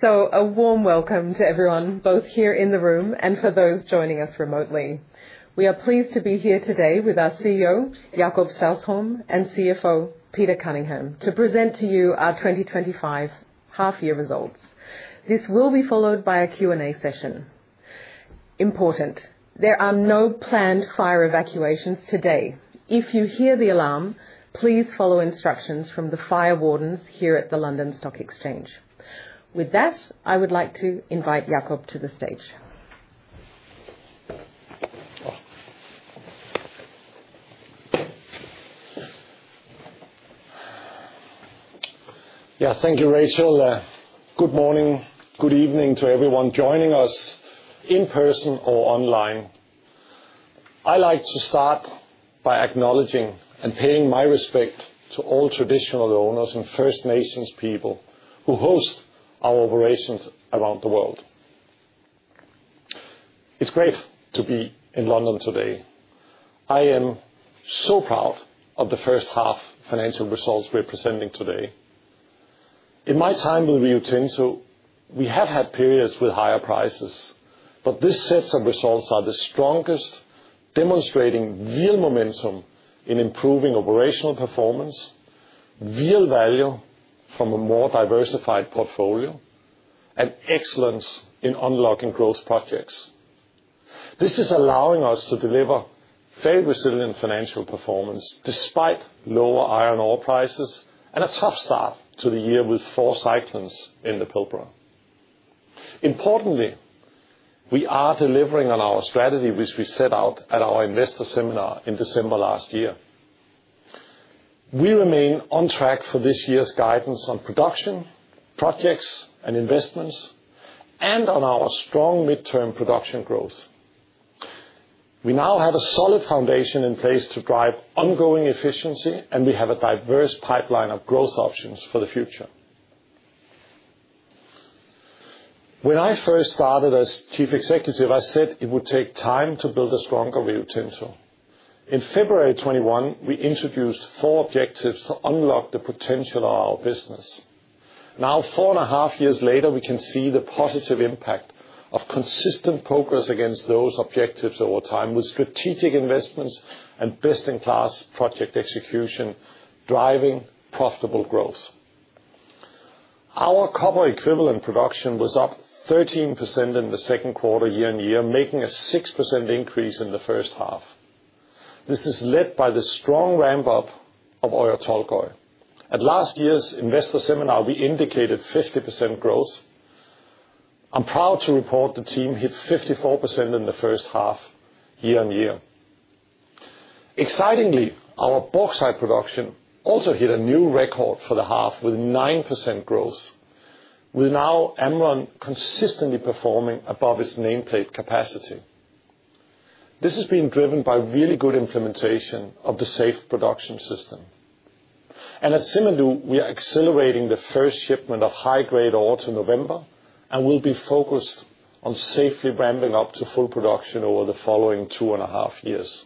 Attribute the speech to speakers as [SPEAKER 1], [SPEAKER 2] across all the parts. [SPEAKER 1] A warm welcome to everyone, both here in the room and for those joining us remotely. We are pleased to be here today with our CEO, Jakob Stausholm, and CFO, Peter Cunningham, to present to you our 2025 half-year results. This will be followed by a Q&A session. Important: there are no planned fire evacuations today. If you hear the alarm, please follow instructions from the fire wardens here at the London Stock Exchange. With that, I would like to invite Jakob to the stage.
[SPEAKER 2] Yes, thank you, Rachel. Good morning, good evening to everyone joining us in person or online. I'd like to start by acknowledging and paying my respect to all Traditional Owners and First Nations people who host our operations around the world. It's great to be in London today. I am so proud of the first half financial results we're presenting today. In my time with Rio Tinto, we have had periods with higher prices, but this set of results is the strongest, demonstrating real momentum in improving operational performance. Real value from a more diversified portfolio, and excellence in unlocking growth projects. This is allowing us to deliver fairly resilient financial performance despite lower iron ore prices and a tough start to the year with four cyclones in the Pilbara. Importantly, we are delivering on our strategy, which we set out at our investor seminar in December last year. We remain on track for this year's guidance on production, projects, and investments, and on our strong midterm production growth. We now have a solid foundation in place to drive ongoing efficiency, and we have a diverse pipeline of growth options for the future. When I first started as Chief Executive, I said it would take time to build a stronger Rio Tinto. In February 2021, we introduced four objectives to unlock the potential of our business. Now, four and a half years later, we can see the positive impact of consistent progress against those objectives over time with strategic investments and best-in-class project execution driving profitable growth. Our copper-equivalent production was up 13% in the second quarter year-on-year, making a 6% increase in the first half. This is led by the strong ramp-up of Oyu Tolgoi. At last year's investor seminar, we indicated 50% growth. I'm proud to report the team hit 54% in the first half year-on-year. Excitingly, our bauxite production also hit a new record for the half with 9% growth, with now Amrun consistently performing above its nameplate capacity. This has been driven by really good implementation of the Safe Production System. At Simandou, we are accelerating the first shipment of high-grade ore to November and will be focused on safely ramping up to full production over the following two and a half years.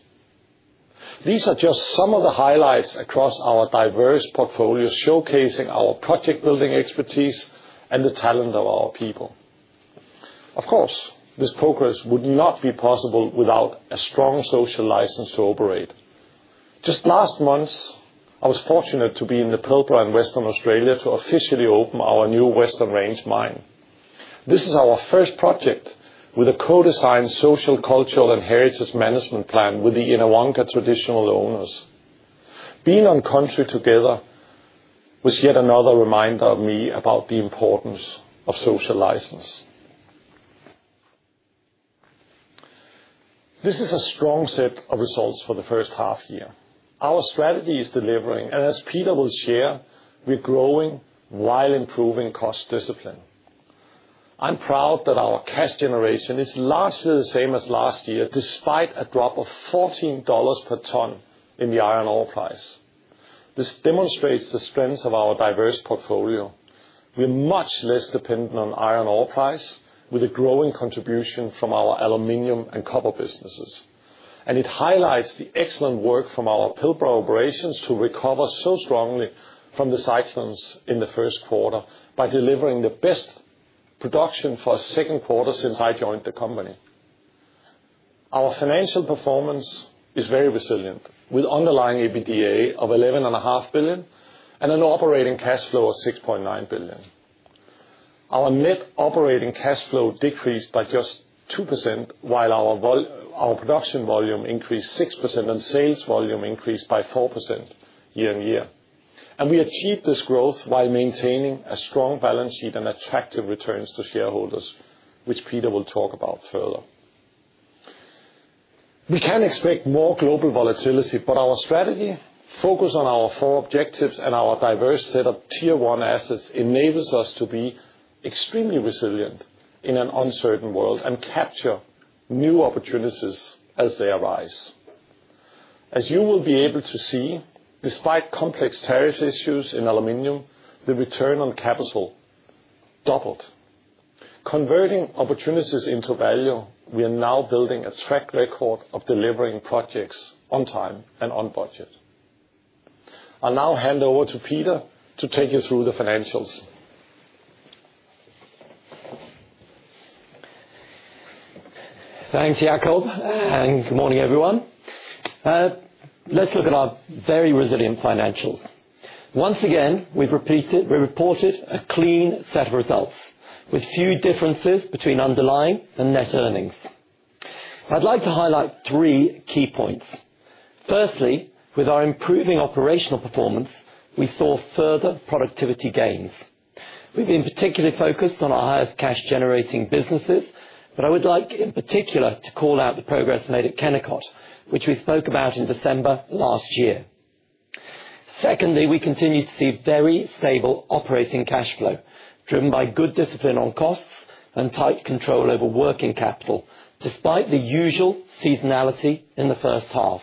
[SPEAKER 2] These are just some of the highlights across our diverse portfolio, showcasing our project-building expertise and the talent of our people. Of course, this progress would not be possible without a strong social license to operate. Just last month, I was fortunate to be in the Pilbara in Western Australia to officially open our new Western Range mine. This is our first project with a co-designed social, cultural, and heritage management plan with the Yinhawangka Traditional Owners. Being on country together was yet another reminder for me about the importance of social license. This is a strong set of results for the first half year. Our strategy is delivering, and as Peter will share, we're growing while improving cost discipline. I'm proud that our cash generation is largely the same as last year, despite a drop of $14 per ton in the iron ore price. This demonstrates the strength of our diverse portfolio. We're much less dependent on iron ore price, with a growing contribution from our aluminum and copper businesses. It highlights the excellent work from our Pilbara operations to recover so strongly from the cyclones in the first quarter by delivering the best production for a second quarter since I joined the company. Our financial performance is very resilient, with underlying EBITDA of $11.5 billion and an operating cash flow of $6.9 billion. Our net operating cash flow decreased by just 2%, while our production volume increased 6% and sales volume increased by 4% year-on-year. We achieved this growth while maintaining a strong balance sheet and attractive returns to shareholders, which Peter will talk about further. We can expect more global volatility, but our strategy, focus on our four objectives and our diverse set of tier-one assets enables us to be extremely resilient in an uncertain world and capture new opportunities as they arise. As you will be able to see, despite complex tariff issues in aluminum, the return on capital doubled. Converting opportunities into value, we are now building a track record of delivering projects on time and on budget. I'll now hand over to Peter to take you through the financials.
[SPEAKER 3] Thanks, Jakob. Good morning, everyone. Let's look at our very resilient financials. Once again, we've reported a clean set of results, with few differences between underlying and net earnings. I'd like to highlight three key points. Firstly, with our improving operational performance, we saw further productivity gains. We've been particularly focused on our highest cash-generating businesses, but I would like, in particular, to call out the progress made at Kennecott, which we spoke about in December last year. Secondly, we continue to see very stable operating cash flow, driven by good discipline on costs and tight control over working capital, despite the usual seasonality in the first half.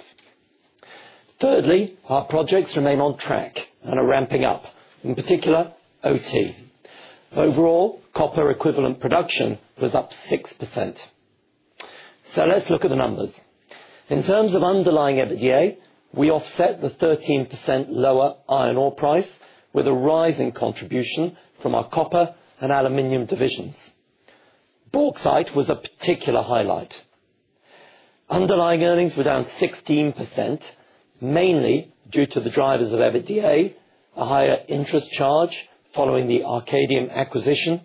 [SPEAKER 3] Thirdly, our projects remain on track and are ramping up, in particular, OT. Overall, copper-equivalent production was up 6%. Let's look at the numbers. In terms of underlying EBITDA, we offset the 13% lower iron ore price with a rising contribution from our copper and aluminum divisions. Bauxite was a particular highlight. Underlying earnings were down 16%, mainly due to the drivers of EBITDA, a higher interest charge following the Arcadium acquisition,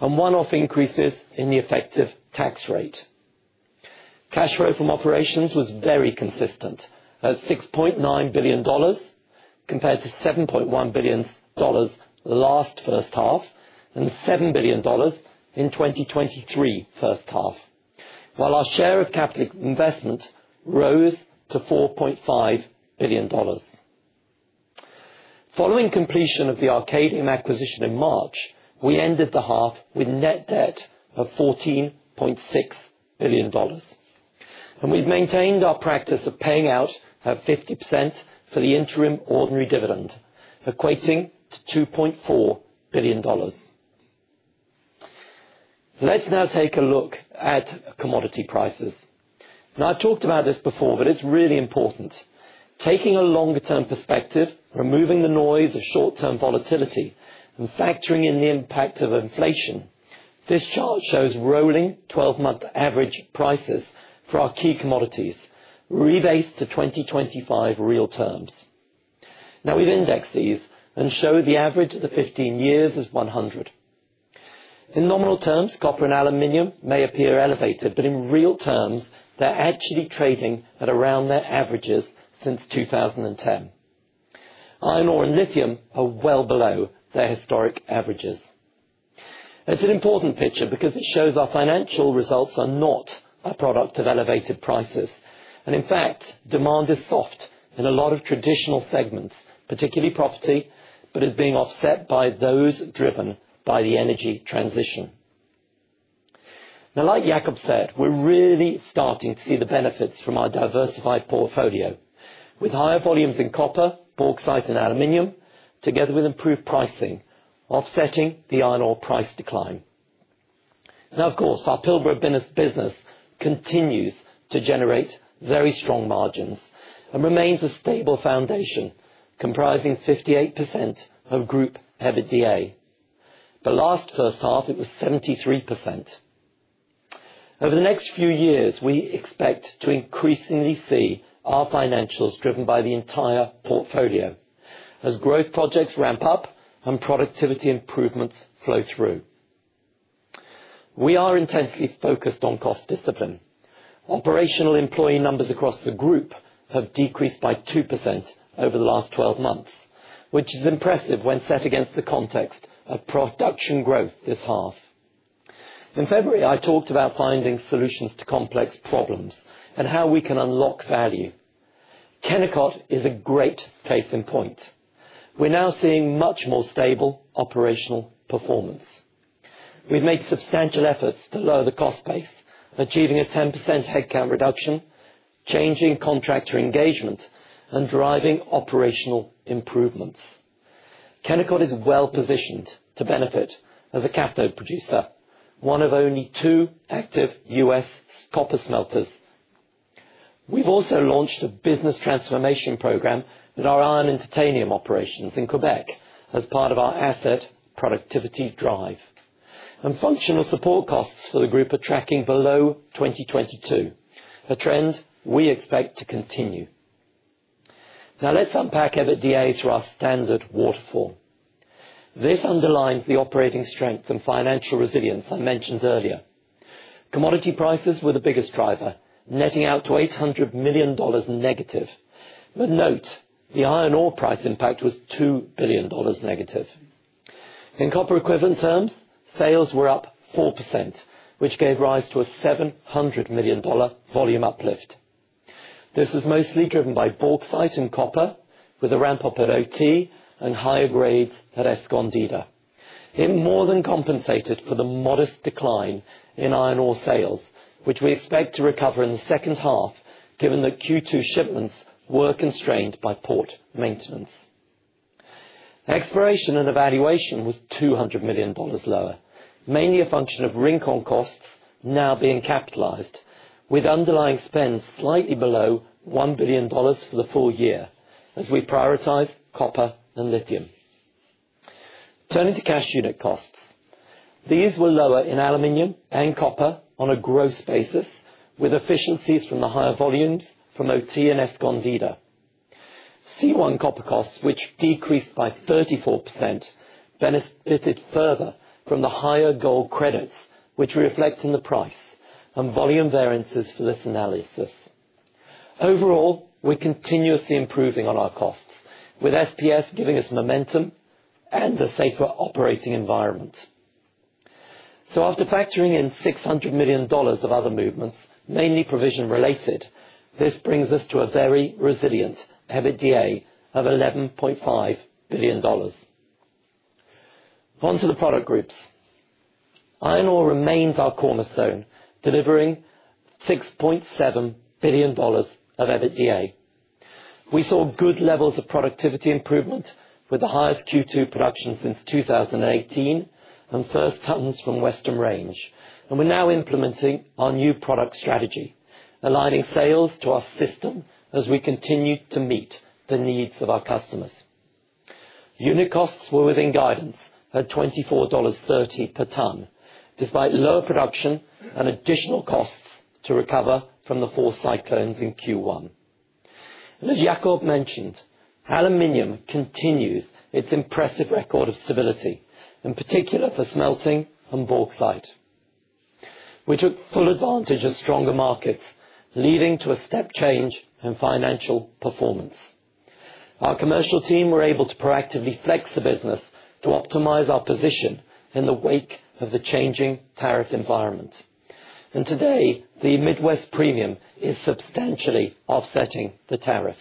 [SPEAKER 3] and one-off increases in the effective tax rate. Cash flow from operations was very consistent at $6.9 billion, compared to $7.1 billion last first half and $7 billion in 2023 first half, while our share of capital investment rose to $4.5 billion. Following completion of the Arcadium acquisition in March, we ended the half with net debt of $14.6 billion. We've maintained our practice of paying out at 50% for the interim ordinary dividend, equating to $2.4 billion. Let's now take a look at commodity prices. I've talked about this before, but it's really important. Taking a longer-term perspective, removing the noise of short-term volatility, and factoring in the impact of inflation, this chart shows rolling 12-month average prices for our key commodities, rebased to 2025 real terms. We've indexed these and showed the average of the 15 years as 100. In nominal terms, copper and aluminum may appear elevated, but in real terms, they're actually trading at around their averages since 2010. Iron ore and lithium are well below their historic averages. It's an important picture because it shows our financial results are not a product of elevated prices. In fact, demand is soft in a lot of traditional segments, particularly property, but is being offset by those driven by the energy transition. Now, like Jakob said, we're really starting to see the benefits from our diversified portfolio, with higher volumes in copper, bauxite, and aluminum, together with improved pricing, offsetting the iron ore price decline. Now, of course, our Pilbara business continues to generate very strong margins and remains a stable foundation, comprising 58% of group EBITDA. The last first half, it was 73%. Over the next few years, we expect to increasingly see our financials driven by the entire portfolio as growth projects ramp up and productivity improvements flow through. We are intensely focused on cost discipline. Operational employee numbers across the group have decreased by 2% over the last 12 months, which is impressive when set against the context of production growth this half. In February, I talked about finding solutions to complex problems and how we can unlock value. Kennecott is a great case in point. We're now seeing much more stable operational performance. We've made substantial efforts to lower the cost base, achieving a 10% headcount reduction, changing contractor engagement, and driving operational improvements. Kennecott is well positioned to benefit as a cathode producer, one of only two active US copper smelters. We've also launched a business transformation program with our iron and titanium operations in Quebec as part of our asset productivity drive. Functional support costs for the group are tracking below 2022, a trend we expect to continue. Now, let's unpack EBITDA through our standard waterfall. This underlines the operating strength and financial resilience I mentioned earlier. Commodity prices were the biggest driver, netting out to $800 million negative. Note, the iron ore price impact was $2 billion negative. In copper-equivalent terms, sales were up 4%, which gave rise to a $700 million volume uplift. This was mostly driven by bauxite and copper, with a ramp-up at OT and higher grades at Escondida. It more than compensated for the modest decline in iron ore sales, which we expect to recover in the second half, given that Q2 shipments were constrained by port maintenance. Exploration and evaluation was $200 million lower, mainly a function of Rincón costs now being capitalized, with underlying spend slightly below $1 billion for the full year as we prioritize copper and lithium. Turning to cash unit costs, these were lower in aluminum and copper on a gross basis, with efficiencies from the higher volumes from OT and Escondida. C1 copper costs, which decreased by 34%, benefited further from the higher gold credits, which reflect in the price and volume variances for this analysis. Overall, we're continuously improving on our costs, with SPS giving us momentum and a safer operating environment. After factoring in $600 million of other movements, mainly provision-related, this brings us to a very resilient EBITDA of $11.5 billion. Onto the product groups. Iron ore remains our cornerstone, delivering $6.7 billion of EBITDA. We saw good levels of productivity improvement, with the highest Q2 production since 2018 and first tons from Western Range. We're now implementing our new product strategy, aligning sales to our system as we continue to meet the needs of our customers. Unit costs were within guidance at $24.30 per ton, despite lower production and additional costs to recover from the four cyclones in Q1. As Jakob mentioned, aluminum continues its impressive record of stability, in particular for smelting and bauxite. We took full advantage of stronger markets, leading to a step change in financial performance. Our commercial team were able to proactively flex the business to optimize our position in the wake of the changing tariff environment. Today, the Midwest premium is substantially offsetting the tariff.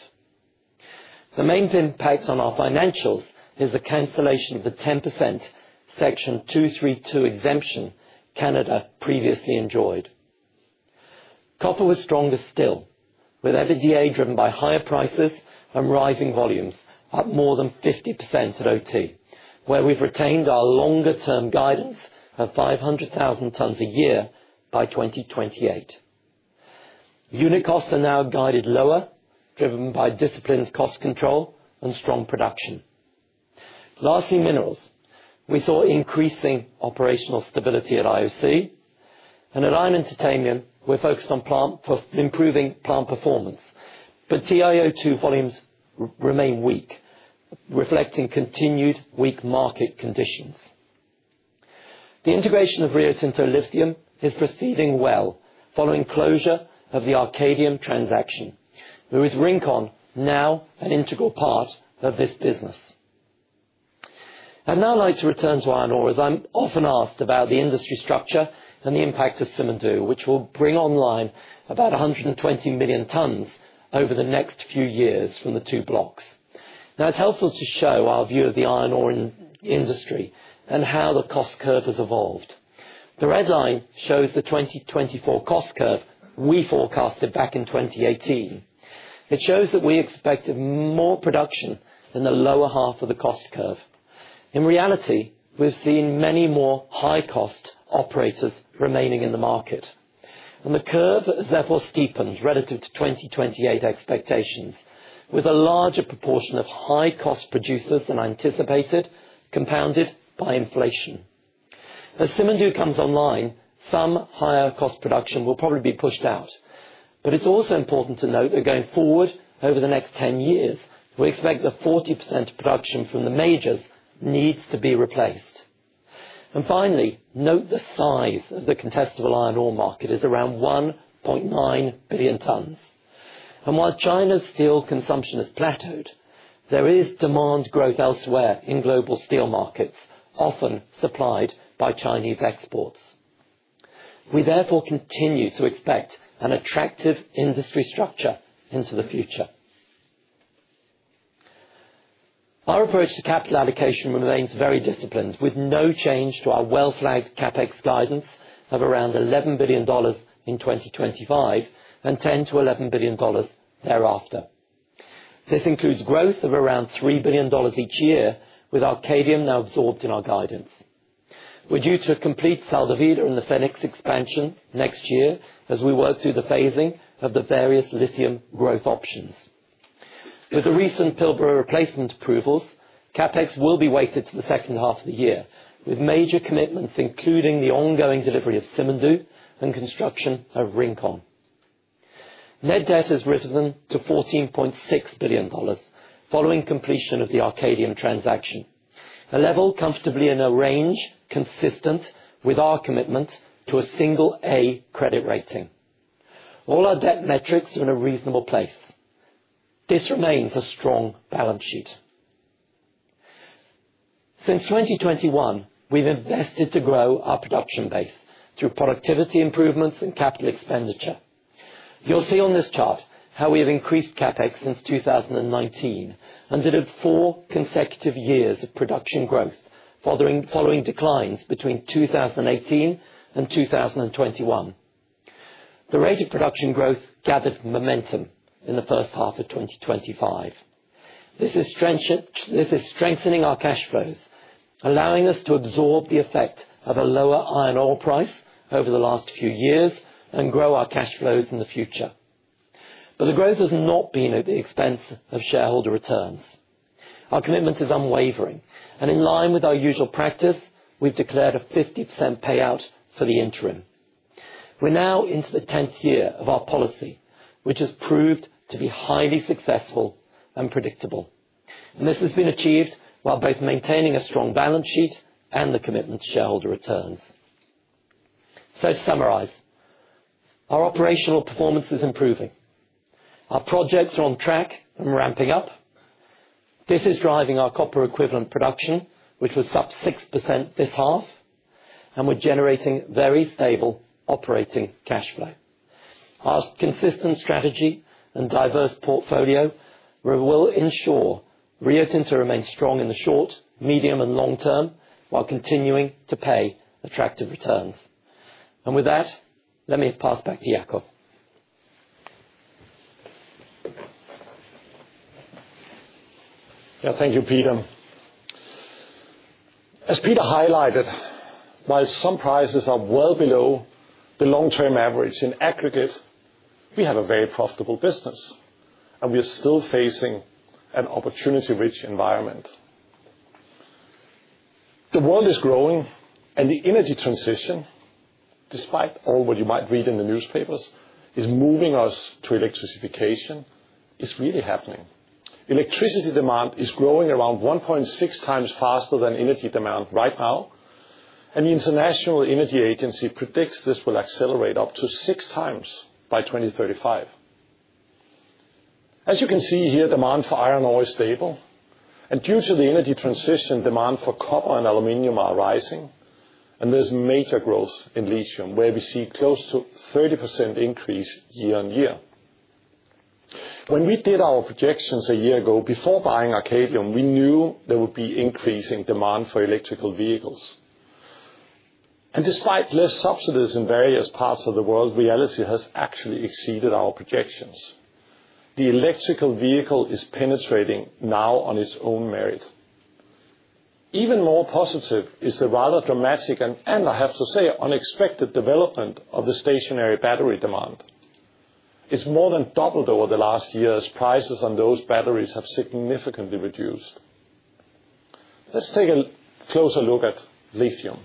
[SPEAKER 3] The main impact on our financials is the cancellation of the 10% Section 232 exemption Canada previously enjoyed. Copper was stronger still, with EBITDA driven by higher prices and rising volumes, up more than 50% at OT, where we've retained our longer-term guidance of 500,000 tons a year by 2028. Unit costs are now guided lower, driven by disciplined cost control and strong production. Lastly, minerals. We saw increasing operational stability at IOC. At iron and titanium, we're focused on improving plant performance, but TiO2 volumes remain weak, reflecting continued weak market conditions. The integration of Rio Tinto Lithium is proceeding well, following closure of the Arcadium transaction, with Rincón now an integral part of this business. I'd now like to return to iron ore, as I'm often asked about the industry structure and the impact of Simandou, which will bring online about 120 million tons over the next few years from the two blocks. Now, it's helpful to show our view of the iron ore industry and how the cost curve has evolved. The red line shows the 2024 cost curve we forecasted back in 2018. It shows that we expected more production in the lower half of the cost curve. In reality, we've seen many more high-cost operators remaining in the market. The curve has therefore steepened relative to 2028 expectations, with a larger proportion of high-cost producers than anticipated, compounded by inflation. As Simandou comes online, some higher-cost production will probably be pushed out. It's also important to note that going forward, over the next 10 years, we expect the 40% production from the majors needs to be replaced. Finally, note the size of the contestable iron ore market is around 1.9 billion tons. While China's steel consumption has plateaued, there is demand growth elsewhere in global steel markets, often supplied by Chinese exports. We therefore continue to expect an attractive industry structure into the future. Our approach to capital allocation remains very disciplined, with no change to our well-flagged CapEx guidance of around $11 billion in 2025 and $10-$11 billion thereafter. This includes growth of around $3 billion each year, with Arcadium now absorbed in our guidance. We're due to complete Sal de Vida and the Fénix Expansion next year as we work through the phasing of the various lithium growth options. With the recent Pilbara replacement approvals, CapEx will be weighted to the second half of the year, with major commitments, including the ongoing delivery of Simandou and construction of Rincón. Net debt has risen to $14.6 billion following completion of the Arcadium transaction, a level comfortably in a range consistent with our commitment to a single-A credit rating. All our debt metrics are in a reasonable place. This remains a strong balance sheet. Since 2021, we've invested to grow our production base through productivity improvements and capital expenditure. You'll see on this chart how we have increased CapEx since 2019 and did it four consecutive years of production growth, following declines between 2018 and 2021. The rate of production growth gathered momentum in the first half of 2025. This is strengthening our cash flows, allowing us to absorb the effect of a lower iron ore price over the last few years and grow our cash flows in the future. The growth has not been at the expense of shareholder returns. Our commitment is unwavering. In line with our usual practice, we've declared a 50% payout for the interim. We're now into the 10th year of our policy, which has proved to be highly successful and predictable. This has been achieved while both maintaining a strong balance sheet and the commitment to shareholder returns. To summarize, our operational performance is improving. Our projects are on track and ramping up. This is driving our copper-equivalent production, which was up 6% this half, and we're generating very stable operating cash flow. Our consistent strategy and diverse portfolio will ensure Rio Tinto remains strong in the short, medium, and long term while continuing to pay attractive returns. With that, let me pass back to Jakob.
[SPEAKER 2] Thank you, Peter. As Peter highlighted, while some prices are well below the long-term average, in aggregate, we have a very profitable business. We are still facing an opportunity-rich environment. The world is growing, and the energy transition, despite all what you might read in the newspapers, is moving us to electrification, is really happening. Electricity demand is growing around 1.6 times faster than energy demand right now. The International Energy Agency predicts this will accelerate up to six times by 2035. As you can see here, demand for iron ore is stable. Due to the energy transition, demand for copper and aluminum are rising. There is major growth in lithium, where we see close to a 30% increase year on year. When we did our projections a year ago, before buying Arcadium, we knew there would be increasing demand for electrical vehicles. Despite less subsidies in various parts of the world, reality has actually exceeded our projections. The electrical vehicle is penetrating now on its own merit. Even more positive is the rather dramatic and, I have to say, unexpected development of the stationary battery demand. It's more than doubled over the last year as prices on those batteries have significantly reduced. Let's take a closer look at lithium.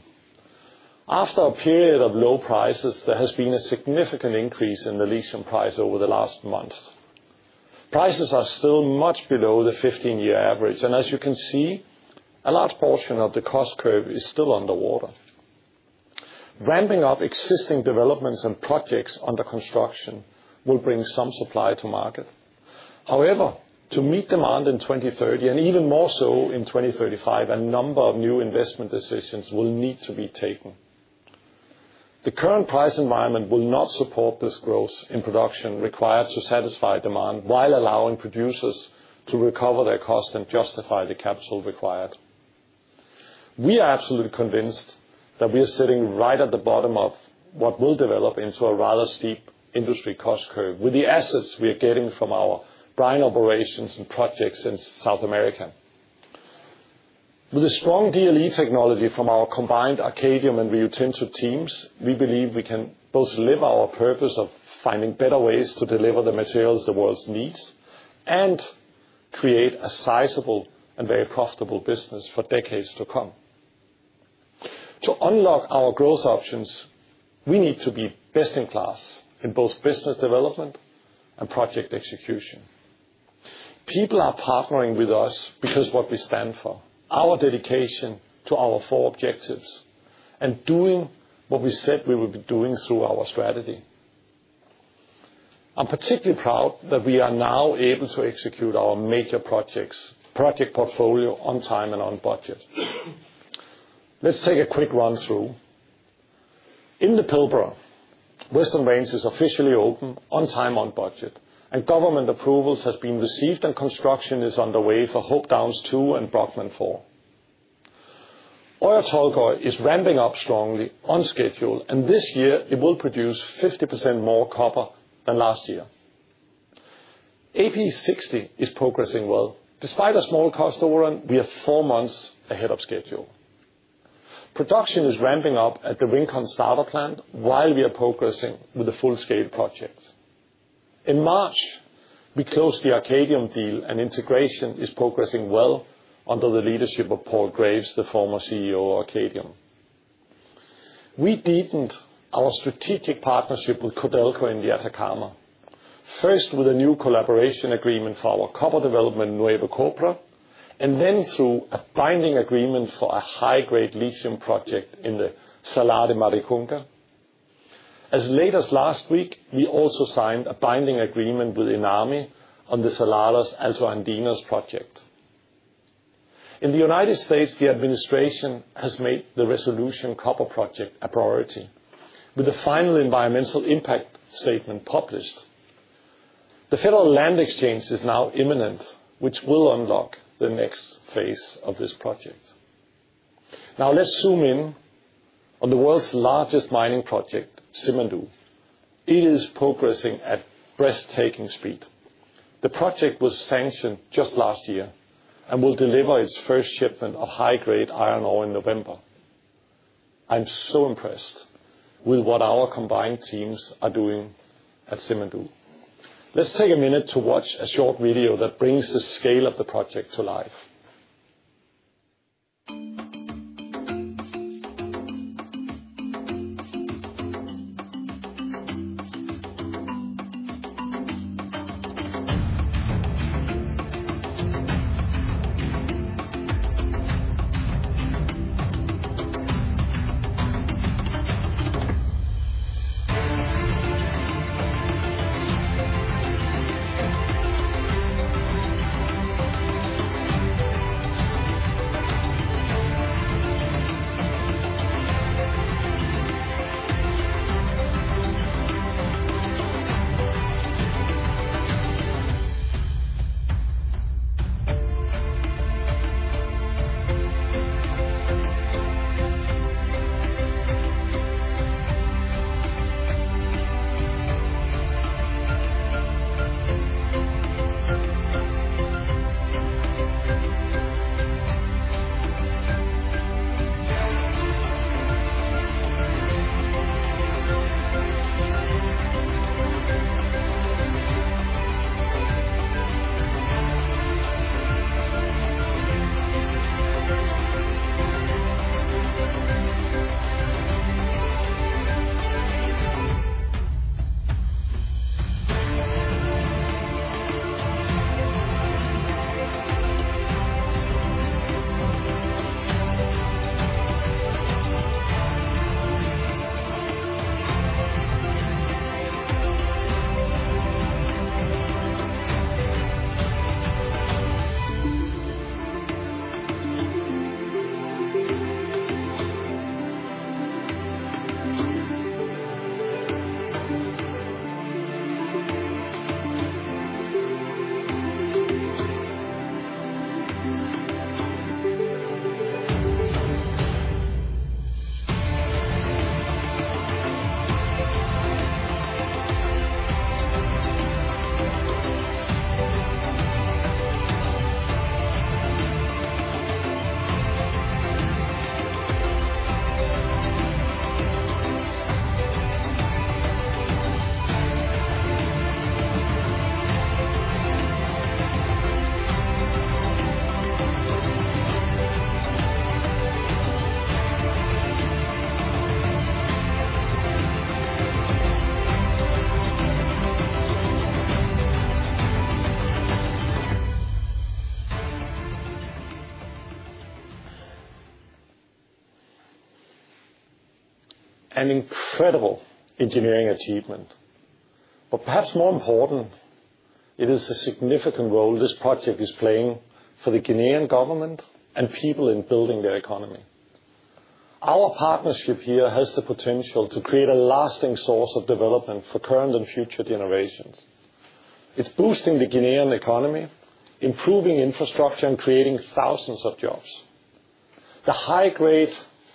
[SPEAKER 2] After a period of low prices, there has been a significant increase in the lithium price over the last months. Prices are still much below the 15-year average. As you can see, a large portion of the cost curve is still underwater. Ramping up existing developments and projects under construction will bring some supply to market. However, to meet demand in 2030 and even more so in 2035, a number of new investment decisions will need to be taken. The current price environment will not support this growth in production required to satisfy demand while allowing producers to recover their cost and justify the capital required. We are absolutely convinced that we are sitting right at the bottom of what will develop into a rather steep industry cost curve with the assets we are getting from our brine operations and projects in South America. With the strong DLE technology from our combined Arcadium and Rio Tinto teams, we believe we can both live our purpose of finding better ways to deliver the materials the world needs and create a sizable and very profitable business for decades to come. To unlock our growth options, we need to be best in class in both business development and project execution. People are partnering with us because of what we stand for: our dedication to our four objectives and doing what we said we would be doing through our strategy. I'm particularly proud that we are now able to execute our major projects' project portfolio on time and on budget. Let's take a quick run-through. In the Pilbara, Western Range is officially open on time and on budget, and government approvals have been received, and construction is underway for Hope Downs 2 and Brockman 4. Oyu Tolgoi is ramping up strongly on schedule, and this year, it will produce 50% more copper than last year. AP60 is progressing well. Despite a small cost overrun, we are four months ahead of schedule. Production is ramping up at the Rincón starter plant while we are progressing with the full-scale project. In March, we closed the Arcadium deal, and integration is progressing well under the leadership of Paul Graves, the former CEO of Arcadium. We deepened our strategic partnership with Codelco in the Atacama, first with a new collaboration agreement for our copper development in Nuevo Cobre, and then through a binding agreement for a high-grade lithium project in the Salar de Maricuna. As late as last week, we also signed a binding agreement with ENAMI on the Saladas Altoandinas project. In the United States, the administration has made the Resolution Copper Project a priority with the final environmental impact statement published. The federal land exchange is now imminent, which will unlock the next phase of this project. Now, let's zoom in on the world's largest mining project, Simandou. It is progressing at breathtaking speed. The project was sanctioned just last year and will deliver its first shipment of high-grade iron ore in November. I'm so impressed with what our combined teams are doing at Simandou. Let's take a minute to watch a short video that brings the scale of the project to life. An incredible engineering achievement. Perhaps more important, it is a significant role this project is playing for the Ghanaian government and people in building their economy. Our partnership here has the potential to create a lasting source of development for current and future generations. It's boosting the Ghanaian economy, improving infrastructure, and creating thousands of jobs. The high-grade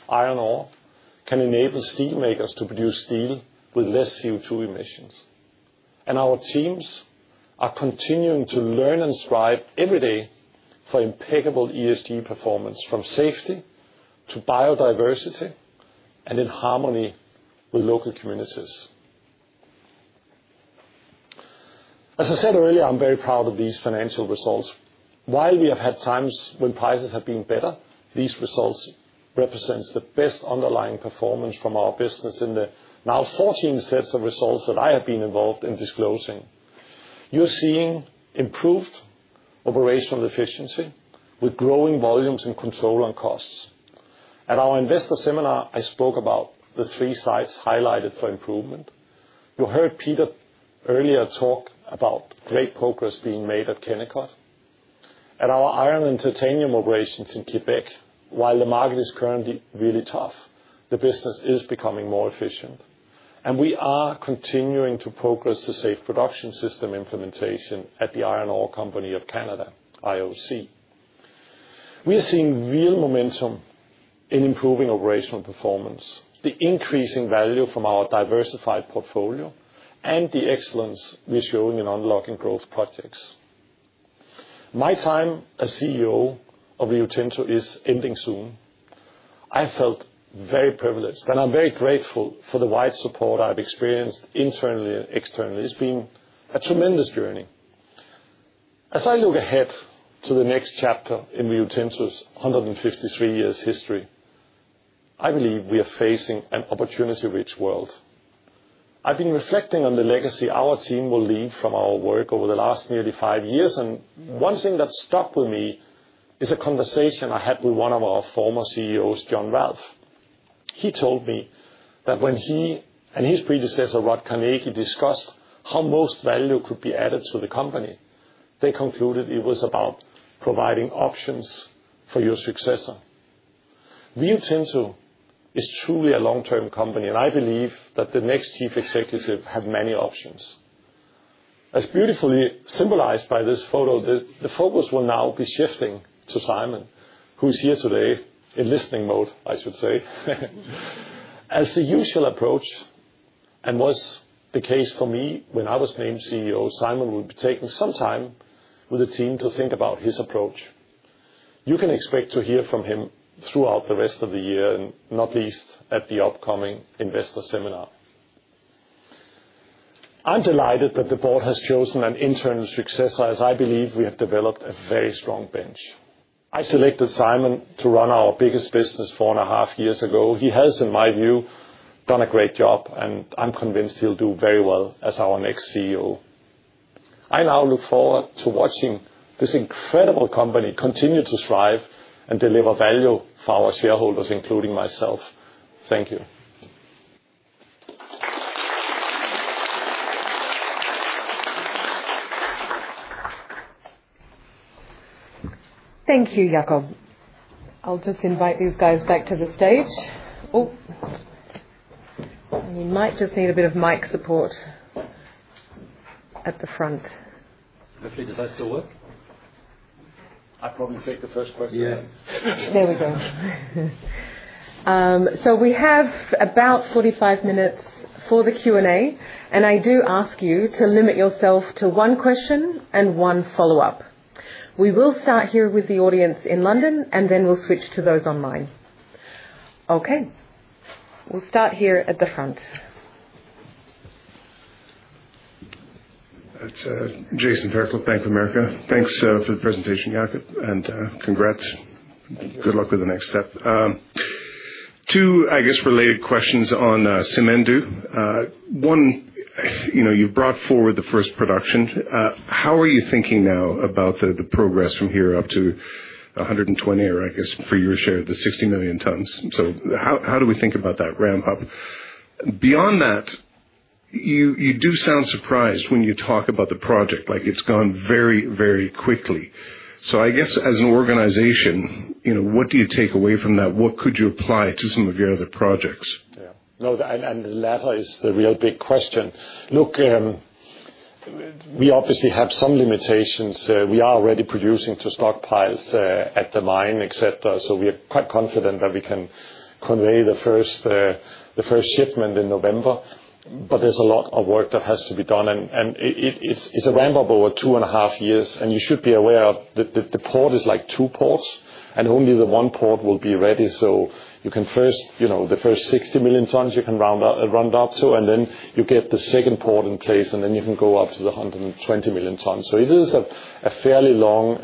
[SPEAKER 2] iron ore can enable steelmakers to produce steel with less CO2 emissions. Our teams are continuing to learn and strive every day for impeccable ESG performance, from safety to biodiversity and in harmony with local communities. As I said earlier, I'm very proud of these financial results. While we have had times when prices have been better, these results represent the best underlying performance from our business in the now 14 sets of results that I have been involved in disclosing. You're seeing improved operational efficiency with growing volumes and control on costs. At our investor seminar, I spoke about the three sites highlighted for improvement. You heard Peter earlier talk about great progress being made at Kennecott. At our iron and titanium operations in Quebec, while the market is currently really tough, the business is becoming more efficient. We are continuing to progress the Safe Production System implementation at the Iron Ore Company of Canada, IOC. We are seeing real momentum in improving operational performance, the increasing value from our diversified portfolio, and the excellence we're showing in unlocking growth projects. My time as CEO of Rio Tinto is ending soon. I felt very privileged, and I'm very grateful for the wide support I've experienced internally and externally. It's been a tremendous journey. As I look ahead to the next chapter in Rio Tinto's 153 years' history, I believe we are facing an opportunity-rich world. I've been reflecting on the legacy our team will leave from our work over the last nearly five years. One thing that stuck with me is a conversation I had with one of our former CEOs, John Ralph. He told me that when he and his predecessor, Rod Carnegie, discussed how most value could be added to the company, they concluded it was about providing options for your successor. Rio Tinto is truly a long-term company, and I believe that the next chief executive had many options. As beautifully symbolized by this photo, the focus will now be shifting to Simon, who is here today in listening mode, I should say. As the usual approach. As was the case for me when I was named CEO, Simon will be taking some time with the team to think about his approach. You can expect to hear from him throughout the rest of the year and not least at the upcoming investor seminar. I'm delighted that the board has chosen an internal successor, as I believe we have developed a very strong bench. I selected Simon to run our biggest business four and a half years ago. He has, in my view, done a great job, and I'm convinced he'll do very well as our next CEO. I now look forward to watching this incredible company continue to strive and deliver value for our shareholders, including myself. Thank you.
[SPEAKER 1] Thank you, Jakob. I'll just invite these guys back to the stage. Oh. And you might just need a bit of mic support. At the front.
[SPEAKER 3] The feeder, does that still work?
[SPEAKER 2] I probably take the first question. Yeah.
[SPEAKER 1] There we go. We have about 45 minutes for the Q&A, and I do ask you to limit yourself to one question and one follow-up. We will start here with the audience in London, and then we'll switch to those online. Okay. We'll start here at the front.
[SPEAKER 2] It's Jason Fairclough Bank of America. Thanks for the presentation, Jakob, and congrats. Good luck with the next step. Two, I guess, related questions on Simandou. One, you've brought forward the first production. How are you thinking now about the progress from here up to 120, or I guess for your share, the 60 million tons? How do we think about that ramp-up? Beyond that. You do sound surprised when you talk about the project, like it's gone very, very quickly. I guess as an organization, what do you take away from that? What could you apply to some of your other projects? Yeah. No, and the latter is the real big question. Look. We obviously have some limitations. We are already producing to stockpiles at the mine, etc. We are quite confident that we can convey the first shipment in November. There is a lot of work that has to be done. It is a ramp-up over two and a half years. You should be aware that the port is like two ports, and only the one port will be ready. You can first, the first 60 million tons you can round up to, and then you get the second port in place, and then you can go up to the 120 million tons. It is a fairly long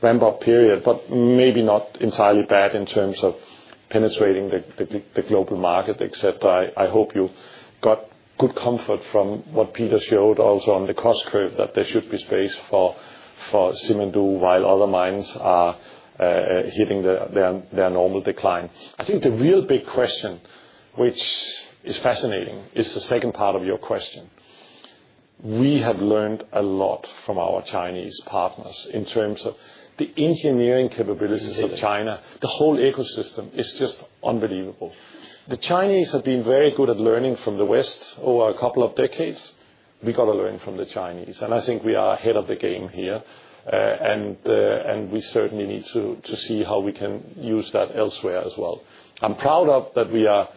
[SPEAKER 2] ramp-up period, but maybe not entirely bad in terms of penetrating the global market, etc. I hope you got good comfort from what Peter showed also on the cost curve, that there should be space for Simandou while other mines are hitting their normal decline. I think the real big question, which is fascinating, is the second part of your question. We have learned a lot from our Chinese partners in terms of the engineering capabilities of China. The whole ecosystem is just unbelievable. The Chinese have been very good at learning from the West over a couple of decades. We got to learn from the Chinese. I think we are ahead of the game here. We certainly need to see how we can use that elsewhere as well. I'm proud that we are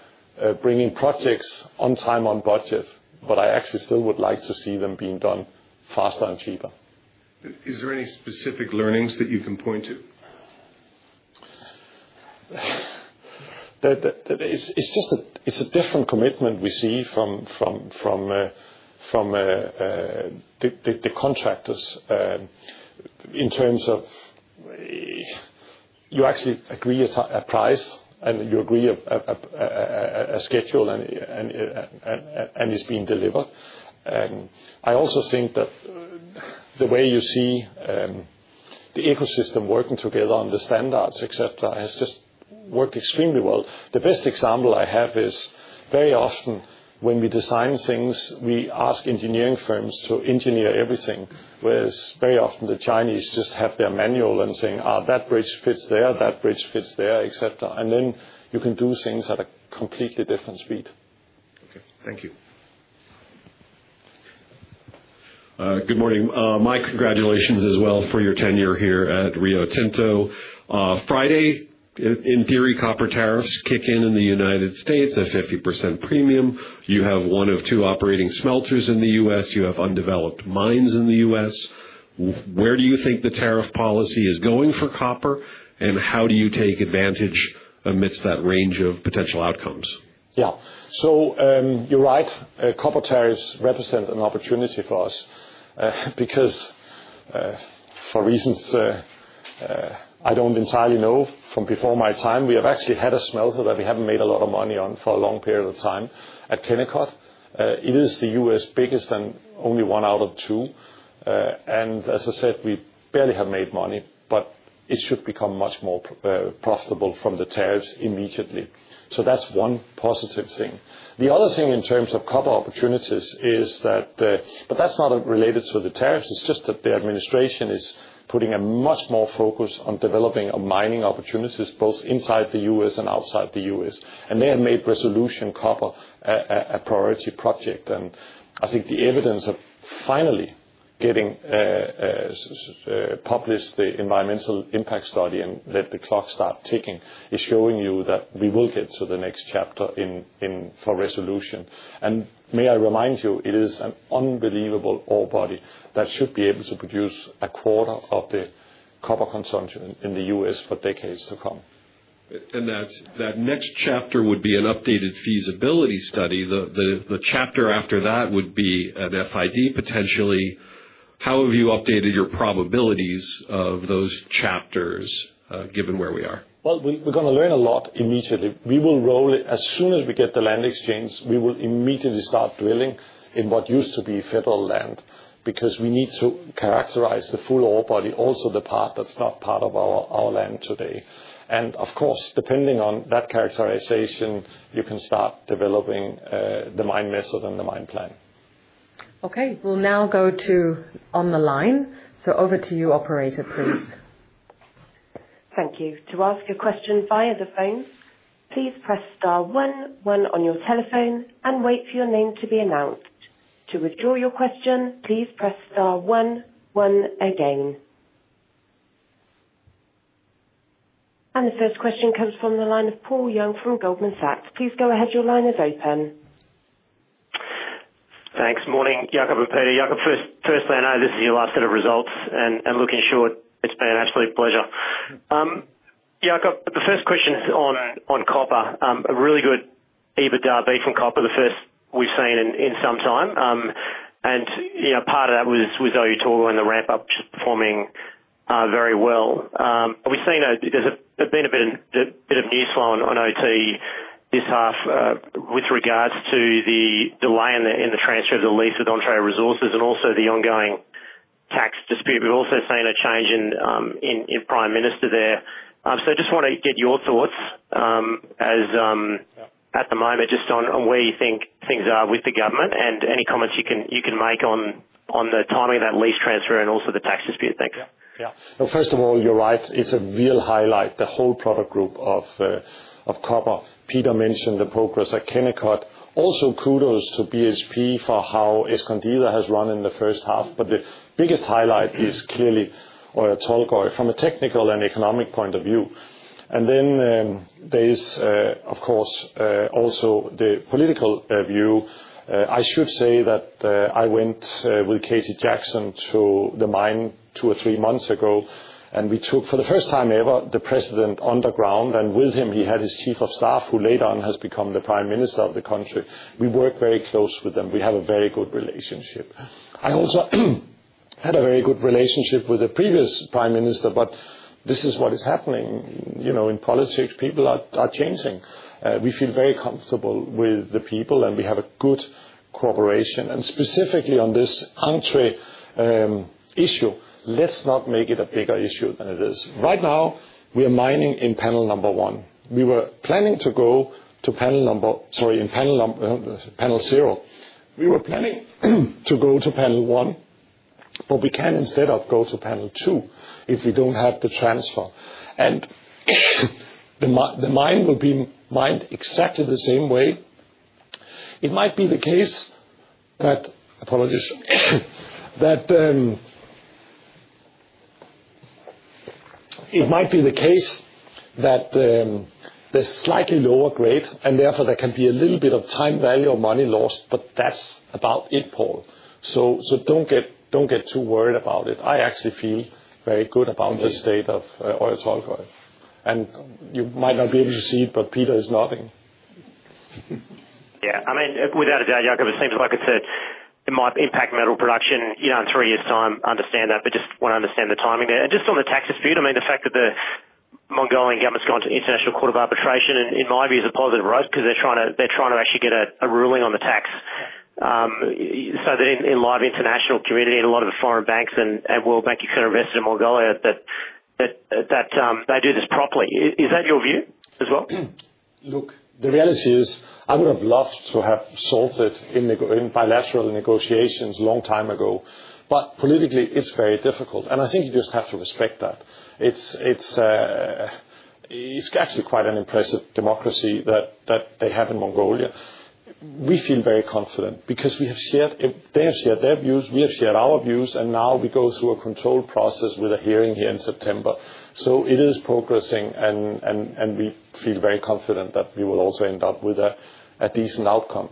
[SPEAKER 2] bringing projects on time on budget, but I actually still would like to see them being done faster and cheaper.
[SPEAKER 4] Is there any specific learnings that you can point to?
[SPEAKER 2] It's a different commitment we see from the contractors. In terms of you actually agree at price, and you agree a schedule, and it's being delivered. I also think that the way you see the ecosystem working together on the standards, etc., has just worked extremely well. The best example I have is very often when we design things, we ask engineering firms to engineer everything, whereas very often the Chinese just have their manual and saying, that bridge fits there, that bridge fits there, etc. Then you can do things at a completely different speed.
[SPEAKER 4] Okay. Thank you.
[SPEAKER 5] Good morning. My congratulations as well for your tenure here at Rio Tinto. Friday, in theory, copper tariffs kick in in the United States, a 50% premium. You have one of two operating smelters in the U.S. You have undeveloped mines in the U.S. Where do you think the tariff policy is going for copper, and how do you take advantage amidst that range of potential outcomes?
[SPEAKER 2] Yeah. You are right. Copper tariffs represent an opportunity for us. Because, for reasons I do not entirely know from before my time, we have actually had a smelter that we have not made a lot of money on for a long period of time at Kennecott. It is the U.S. biggest and only one out of two. As I said, we barely have made money, but it should become much more profitable from the tariffs immediately. That is one positive thing. The other thing in terms of copper opportunities is that, but that is not related to the tariffs. It is just that the administration is putting much more focus on developing mining opportunities both inside the U.S. and outside the U.S. They have made Resolution Copper a priority project. I think the evidence of finally getting published the environmental impact study and letting the clock start ticking is showing you that we will get to the next chapter for Resolution. May I remind you, it is an unbelievable ore body that should be able to produce a quarter of the copper consumption in the U.S. for decades to come.
[SPEAKER 5] That next chapter would be an updated feasibility study. The chapter after that would be an FID potentially. How have you updated your probabilities of those chapters, given where we are?
[SPEAKER 2] We are going to learn a lot immediately. We will roll it as soon as we get the land exchange. We will immediately start drilling in what used to be federal land because we need to characterize the full ore body, also the part that is not part of our land today. Of course, depending on that characterization, you can start developing the mine method and the mine plan.
[SPEAKER 1] Okay. We will now go to on the line. Over to you, operator, please. Thank you. To ask a question via the phone, please press star one, one on your telephone, and wait for your name to be announced. To withdraw your question, please press star one, one again.
[SPEAKER 6] The first question comes from the line of Paul Young from Goldman Sachs. Please go ahead. Your line is open.
[SPEAKER 7] Thanks. Morning, Jakob and Peter. Jakob, first thing I know, this is your last set of results. Looking short, it has been an absolute pleasure. Jakob, the first question is on copper. A really good EBITDA beat from copper, the first we have seen in some time. Part of that was Oyu Tolgoi and the ramp-up, which is performing very well. We have seen there has been a bit of news flow on OT this half with regards to the delay in the transfer of the lease with Ontario Resources and also the ongoing tax dispute. We have also seen a change in Prime Minister there. I just want to get your thoughts at the moment, just on where you think things are with the government and any comments you can make on the timing of that lease transfer and also the tax dispute. Thanks.
[SPEAKER 2] Yeah. Yeah. First of all, you're right. It's a real highlight, the whole product group of copper. Peter mentioned the progress at Kennecott. Also, kudos to BHP for how Escondida has run in the first half. The biggest highlight is clearly Oyu Tolgoi from a technical and economic point of view. There is, of course, also the political view. I should say that I went with Katie Jackson to the mine two or three months ago, and we took, for the first time ever, the president underground. With him, he had his chief of staff, who later on has become the prime minister of the country. We work very close with them. We have a very good relationship. I also had a very good relationship with the previous prime minister, but this is what is happening in politics. People are changing. We feel very comfortable with the people, and we have a good cooperation. Specifically on this entre issue, let's not make it a bigger issue than it is. Right now, we are mining in panel zero. We were planning to go to panel one, but we can instead go to panel two if we don't have the transfer. The mine will be mined exactly the same way. It might be the case that, apologies, it might be the case that there's slightly lower grade, and therefore there can be a little bit of time value or money lost, but that's about it, Paul. Don't get too worried about it. I actually feel very good about the state of Oyu Tolgoi. You might not be able to see it, but Peter is nodding.
[SPEAKER 7] Yeah. I mean, without a doubt, Jakob, it seems like it's a impact metal production. On three years' time, understand that, but just want to understand the timing there. Just on the tax dispute, the fact that the Mongolian government's gone to international court of arbitration, in my view, is a positive road because they're trying to actually get a ruling on the tax. That in live international community and a lot of the foreign banks and World Bank, you can invest in Mongolia, that they do this properly. Is that your view as well?
[SPEAKER 2] Look, the reality is I would have loved to have solved it in bilateral negotiations a long time ago. Politically, it's very difficult. I think you just have to respect that. It's actually quite an impressive democracy that they have in Mongolia. We feel very confident because we have shared their views. We have shared our views. And now we go through a control process with a hearing here in September. It is progressing, and we feel very confident that we will also end up with a decent outcome.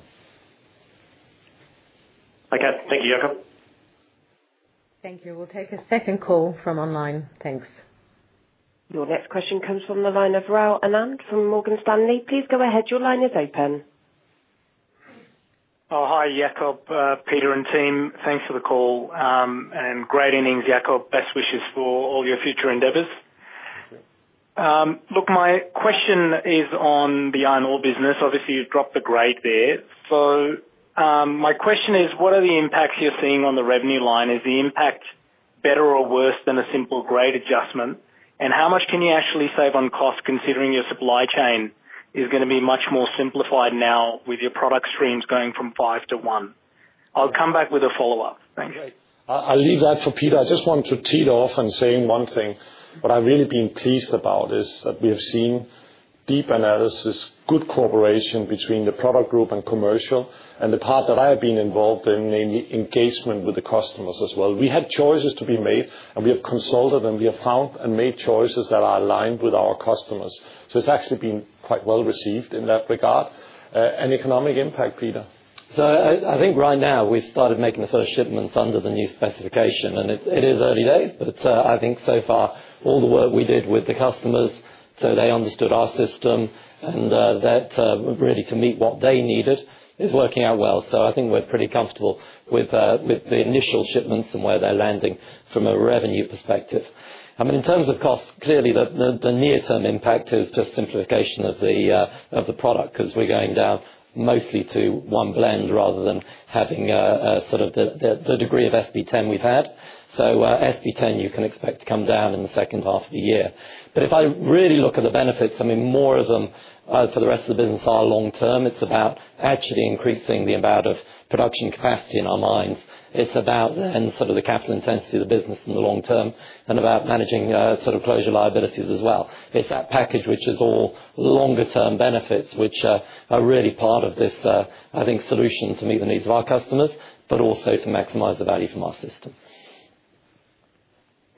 [SPEAKER 7] Okay. Thank you, Jakob.
[SPEAKER 1] Thank you. We'll take a second call from online. Thanks.
[SPEAKER 6] Your next question comes from the line of Rahul Anand from Morgan Stanley. Please go ahead. Your line is open.
[SPEAKER 8] Oh, hi, Jakob, Peter and team. Thanks for the call. And great evenings, Jakob. Best wishes for all your future endeavors. Look, my question is on the iron ore business. Obviously, you've dropped the grade there. My question is, what are the impacts you're seeing on the revenue line? Is the impact better or worse than a simple grade adjustment? And how much can you actually save on cost considering your supply chain is going to be much more simplified now with your product streams going from five to one? I'll come back with a follow-up. Thanks.
[SPEAKER 2] Okay. I'll leave that for Peter. I just want to tee it off and say one thing. What I've really been pleased about is that we have seen deep analysis, good cooperation between the product group and commercial, and the part that I have been involved in, namely engagement with the customers as well. We had choices to be made, and we have consulted, and we have found and made choices that are aligned with our customers. It has actually been quite well received in that regard. Economic impact, Peter?
[SPEAKER 3] I think right now we've started making the first shipments under the new specification. It is early days, but I think so far all the work we did with the customers so they understood our system and that really to meet what they needed is working out well. I think we're pretty comfortable with the initial shipments and where they're landing from a revenue perspective. I mean, in terms of cost, clearly the near-term impact is just simplification of the product because we're going down mostly to one blend rather than having sort of the degree of SP10 we've had. SP10, you can expect to come down in the second half of the year. If I really look at the benefits, more of them for the rest of the business are long-term. It is about actually increasing the amount of production capacity in our mines. It is about then the capital intensity of the business in the long term and about managing closure liabilities as well. It's that package which is all longer-term benefits which are really part of this, I think, solution to meet the needs of our customers, but also to maximize the value from our system.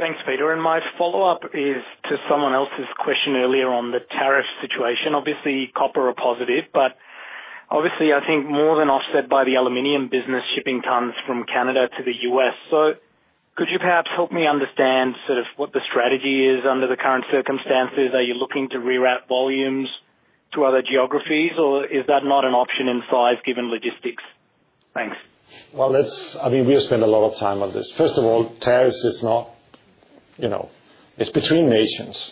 [SPEAKER 8] Thanks, Peter. And my follow-up is to someone else's question earlier on the tariff situation. Obviously, copper are positive, but obviously, I think more than offset by the aluminum business shipping tons from Canada to the U.S. So could you perhaps help me understand sort of what the strategy is under the current circumstances? Are you looking to reroute volumes to other geographies, or is that not an option in size given logistics? Thanks.
[SPEAKER 2] I mean, we have spent a lot of time on this. First of all, tariffs is not. It's between nations.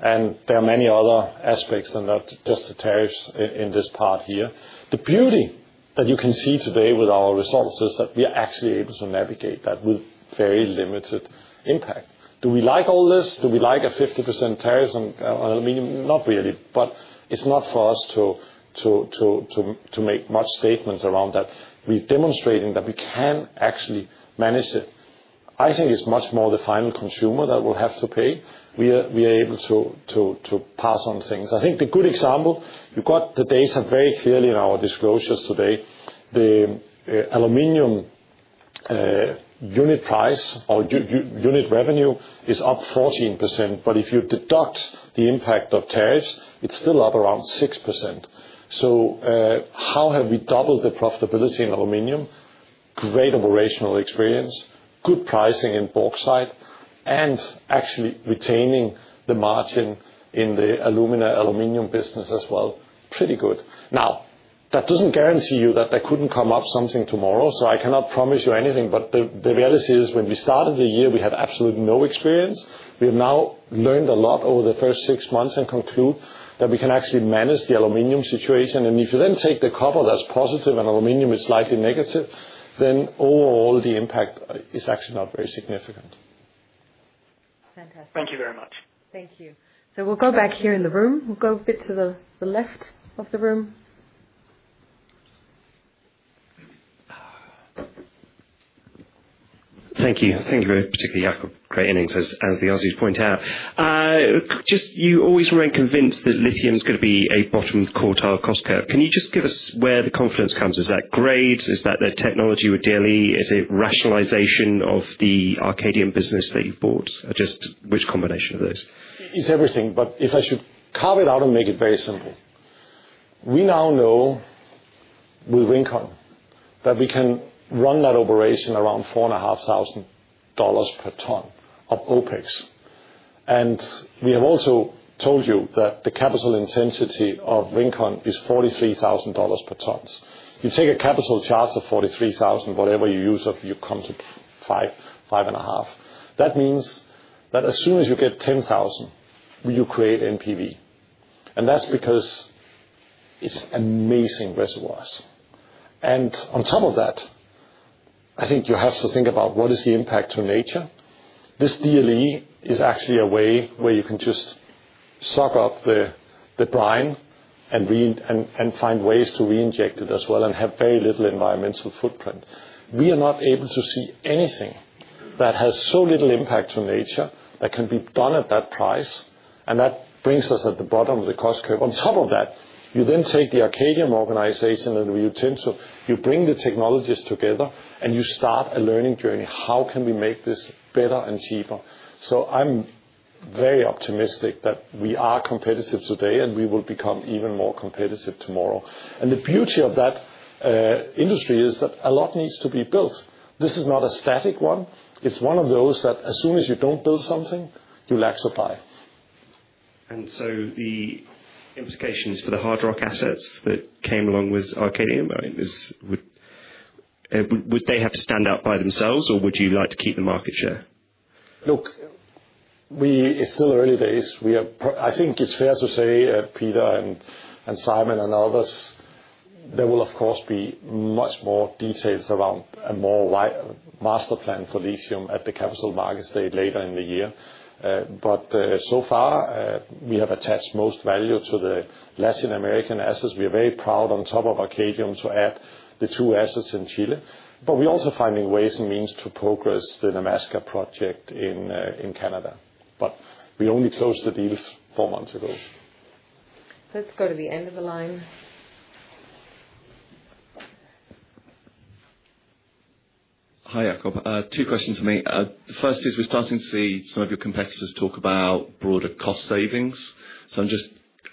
[SPEAKER 2] And there are many other aspects than just the tariffs in this part here. The beauty that you can see today with our results is that we are actually able to navigate that with very limited impact. Do we like all this? Do we like a 50% tariff on aluminum? Not really. But it's not for us to. Make much statements around that. We're demonstrating that we can actually manage it. I think it's much more the final consumer that will have to pay. We are able to. Pass on things. I think the good example, you got the data very clearly in our disclosures today. The aluminum unit price or unit revenue is up 14%. But if you deduct the impact of tariffs, it's still up around 6%. So. How have we doubled the profitability in aluminum? Great operational experience, good pricing in bauxite, and actually retaining the margin in the aluminum business as well. Pretty good. Now, that doesn't guarantee you that there couldn't come up something tomorrow. I cannot promise you anything. But the reality is, when we started the year, we had absolutely no experience. We have now learned a lot over the first six months and conclude that we can actually manage the aluminum situation. And if you then take the copper that's positive and aluminum is slightly negative, then overall, the impact is actually not very significant.
[SPEAKER 1] Fantastic.
[SPEAKER 2] Thank you very much.
[SPEAKER 1] Thank you. We'll go back here in the room. We'll go a bit to the left of the room.
[SPEAKER 5] Thank you. Thank you very much, particularly, Jakob. Great evening, as the others point out. Just you always remain convinced that lithium is going to be a bottom quartile cost curve. Can you just give us where the confidence comes? Is that grades? Is that the technology with DLE? Is it rationalization of the Arcadium business that you've bought? Just which combination of those?
[SPEAKER 2] It's everything. If I should carve it out and make it very simple. We now know with Rincón that we can run that operation around $4,500 per ton of OpEx. We have also told you that the capital intensity of Rincón is $43,000 per ton. You take a capital charge of $43,000, whatever you use of your compensation, five and a half. That means that as soon as you get $10,000, you create NPV. That's because it's amazing reservoirs. On top of that, I think you have to think about what is the impact to nature. This DLE is actually a way where you can just suck up the brine and find ways to reinject it as well and have very little environmental footprint. We are not able to see anything that has so little impact to nature that can be done at that price. That brings us at the bottom of the cost curve. On top of that, you then take the Arcadium organization and the Rio Tinto, you bring the technologies together, and you start a learning journey. How can we make this better and cheaper? I'm very optimistic that we are competitive today, and we will become even more competitive tomorrow. The beauty of that industry is that a lot needs to be built. This is not a static one. It's one of those that as soon as you don't build something, you lack supply. The implications for the hard rock assets that came along with Arcadium, I mean, would they have to stand out by themselves, or would you like to keep the market share? Look, it's still early days. I think it's fair to say, Peter and Simon and others, there will, of course, be much more details around a more master plan for lithium at the capital market stage later in the year. So far, we have attached most value to the Latin American assets. We are very proud, on top of Arcadium, to add the two assets in Chile. We're also finding ways and means to progress the Nemaska project in Canada. We only closed the deals four months ago.
[SPEAKER 1] Let's go to the end of the line.
[SPEAKER 5] Hi, Jakob. Two questions for me. The first is we're starting to see some of your competitors talk about broader cost savings.
[SPEAKER 2] I'm just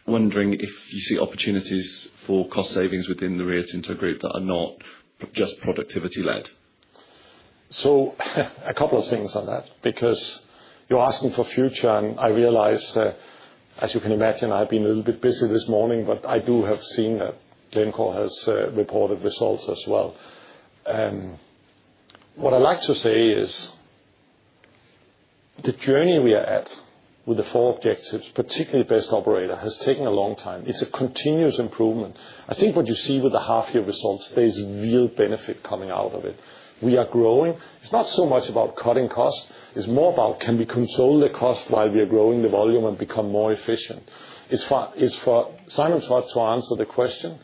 [SPEAKER 2] wondering if you see opportunities for cost savings within the Rio Tinto group that are not just productivity-led? A couple of things on that because you're asking for future, and I realize, as you can imagine, I've been a little bit busy this morning, but I do have seen that Rincón has reported results as well. What I'd like to say is the journey we are at with the four objectives, particularly best operator, has taken a long time. It's a continuous improvement. I think what you see with the half-year results, there's real benefit coming out of it. We are growing. It's not so much about cutting costs. It's more about can we control the cost while we are growing the volume and become more efficient. It's for Simon's heart to answer the question,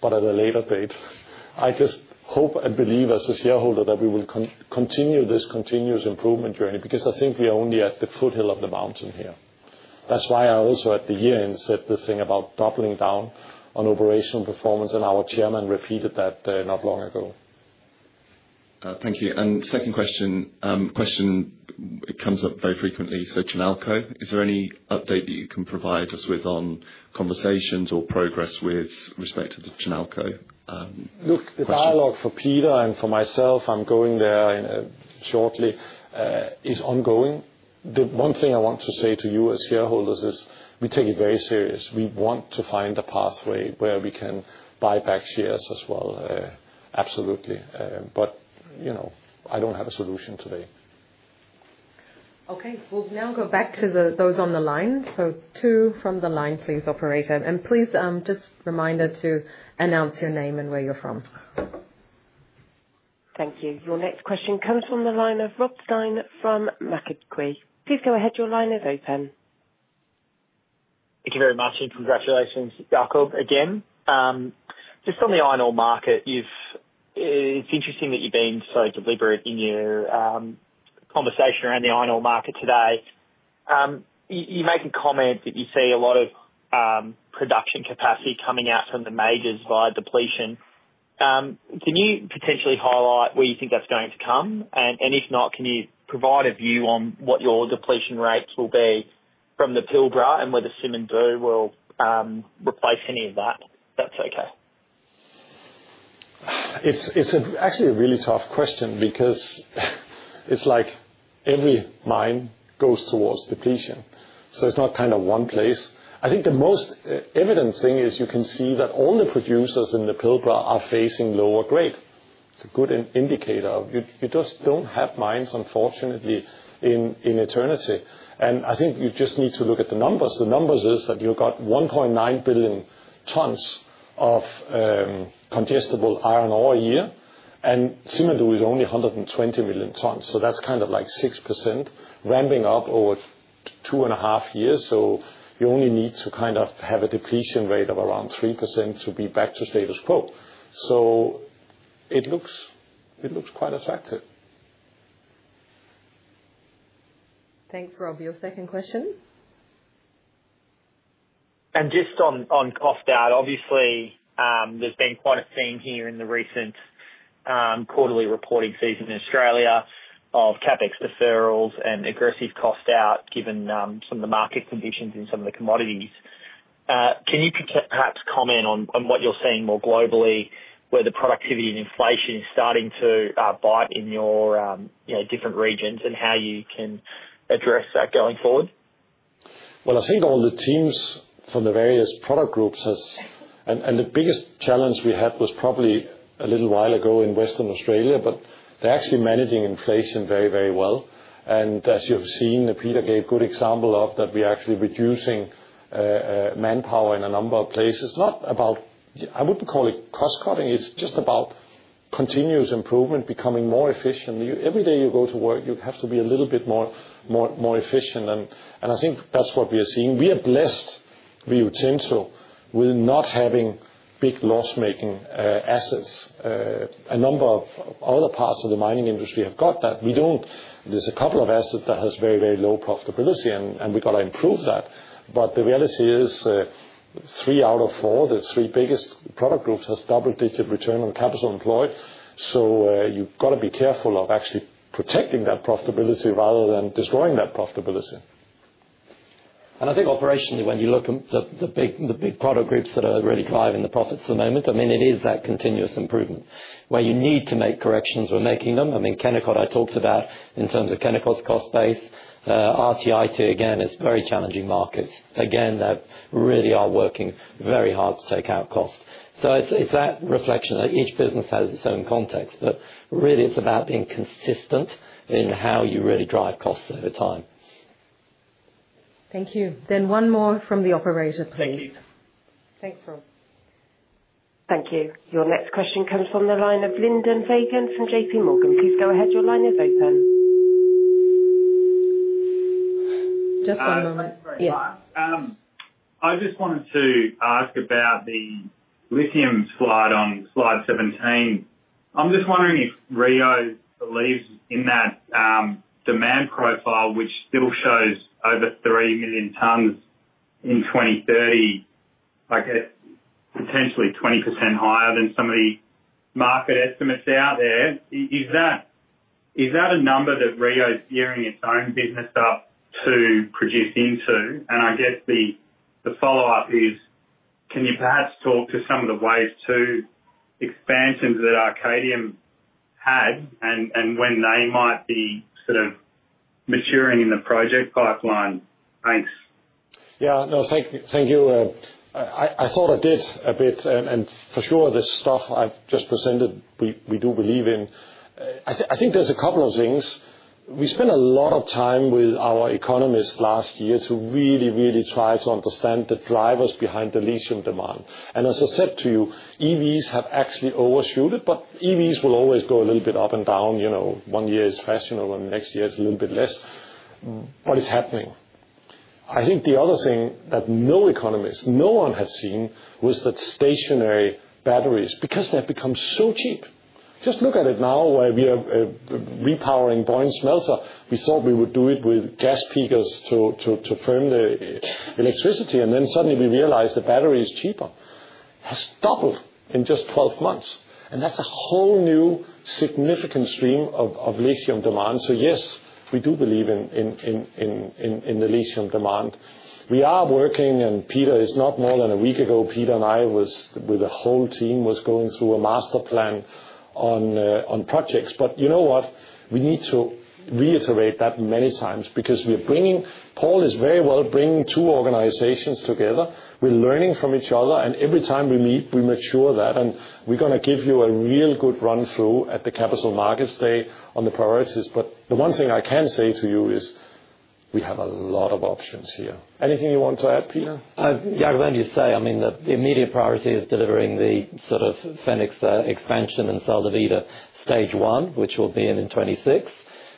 [SPEAKER 2] but at a later date. I just hope and believe, as a shareholder, that we will continue this continuous improvement journey because I think we are only at the foothill of the mountain here. That's why I also, at the year-end, said the thing about doubling down on operational performance, and our Chairman repeated that not long ago.
[SPEAKER 5] Thank you. Second question. It comes up very frequently. So Chinalco, is there any update that you can provide us with on conversations or progress with respect to the Chinalco?
[SPEAKER 2] Look, the dialogue for Peter and for myself, I'm going there shortly, is ongoing. The one thing I want to say to you as shareholders is we take it very serious. We want to find a pathway where we can buy back shares as well. Absolutely. I don't have a solution today.
[SPEAKER 1] We'll now go back to those on the line. Two from the line, please, operator. Please just remind her to announce your name and where you're from.
[SPEAKER 6] Thank you. Your next question comes from the line of Rob Stein from Macquarie. Please go ahead. Your line is open.
[SPEAKER 9] Thank you very much, and congratulations, Jakob, again. Just on the iron ore market. It's interesting that you've been so deliberate in your conversation around the iron ore market today. You make a comment that you see a lot of production capacity coming out from the majors via depletion. Can you potentially highlight where you think that's going to come? If not, can you provide a view on what your depletion rates will be from the Pilbara and whether Simandou will replace any of that? If that's okay.
[SPEAKER 2] It's actually a really tough question because it's like every mine goes towards depletion. It's not kind of one place. I think the most evident thing is you can see that all the producers in the Pilbara are facing lower grade. It's a good indicator. You just don't have mines, unfortunately, in eternity. I think you just need to look at the numbers. The numbers is that you've got 1.9 billion tonnes of congestible iron ore a year, and Simandou is only 120 million tons. That's kind of like 6% ramping up over two and a half years. You only need to kind of have a depletion rate of around 3% to be back to status quo. It looks quite attractive.
[SPEAKER 1] Thanks, Rob. Your second question?
[SPEAKER 9] Just on cost out, obviously, there's been quite a theme here in the recent quarterly reporting season in Australia of CapEx deferrals and aggressive cost out given some of the market conditions in some of the commodities. Can you perhaps comment on what you're seeing more globally, where the productivity and inflation is starting to bite in your different regions and how you can address that going forward?
[SPEAKER 2] I think all the teams from the various product groups has, and the biggest challenge we had was probably a little while ago in Western Australia, but they're actually managing inflation very, very well. As you've seen, Peter gave a good example of that we're actually reducing manpower in a number of places. Not about, I wouldn't call it cost cutting. It's just about continuous improvement, becoming more efficient. Every day you go to work, you have to be a little bit more efficient. I think that's what we are seeing. We are blessed with Rio Tinto with not having big loss-making assets. A number of other parts of the mining industry have got that. There's a couple of assets that have very, very low profitability, and we've got to improve that. The reality is three out of four, the three biggest product groups, have double-digit return on capital employed. You've got to be careful of actually protecting that profitability rather than destroying that profitability.
[SPEAKER 3] I think operationally, when you look at the big product groups that are really driving the profits at the moment, I mean, it is that continuous improvement where you need to make corrections. We're making them. I mean, Kennecott, I talked about in terms of Kennecott's cost base. RTIT, again, is a very challenging market. Again, they really are working very hard to take out costs. It's that reflection that each business has its own context. Really, it's about being consistent in how you really drive costs over time.
[SPEAKER 1] Thank you. One more from the operator, please. Thanks, Rob.
[SPEAKER 6] Thank you. Your next question comes from the line of Lyndon Fagan from JPMorgan. Please go ahead. Your line is open.
[SPEAKER 1] Just one moment. Yeah.
[SPEAKER 10] I just wanted to ask about the lithium slide on slide 17. I'm just wondering if Rio believes in that demand profile, which still shows over 3 million tonnes in 2030. I guess potentially 20% higher than some of the market estimates out there. Is that a number that Rio is gearing its own business up to produce into? I guess the follow-up is, can you perhaps talk to some of the ways to expansions that Arcadium had and when they might be sort of maturing in the project pipeline? Thanks.
[SPEAKER 2] Yeah. No, thank you. I thought I did a bit. For sure, the stuff I've just presented, we do believe in. I think there's a couple of things. We spent a lot of time with our economists last year to really, really try to understand the drivers behind the lithium demand. As I said to you, EVs have actually overshoot it, but EVs will always go a little bit up and down. One year is faster than the next year is a little bit less. It's happening. I think the other thing that no economist, no one had seen, was that stationary batteries, because they have become so cheap. Just look at it now where we are repowering Boyne Smelter. We thought we would do it with gas peakers to firm the electricity, and then suddenly we realized the battery is cheaper. Has doubled in just 12 months. That's a whole new significant stream of lithium demand. Yes, we do believe in the lithium demand. We are working, and Peter is not more than a week ago, Peter and I with the whole team was going through a master plan on projects. You know what? We need to reiterate that many times because we're bringing Paul is very well bringing two organizations together. We're learning from each other, and every time we meet, we mature that. We're going to give you a real good run-through at the Capital Markets Day on the priorities. The one thing I can say to you is we have a lot of options here. Anything you want to add, Peter?
[SPEAKER 3] Yeah, I was going to just say, I mean, the immediate priority is delivering the sort of Fénix Expansion in Sal de Vida stage one, which will be in 2026.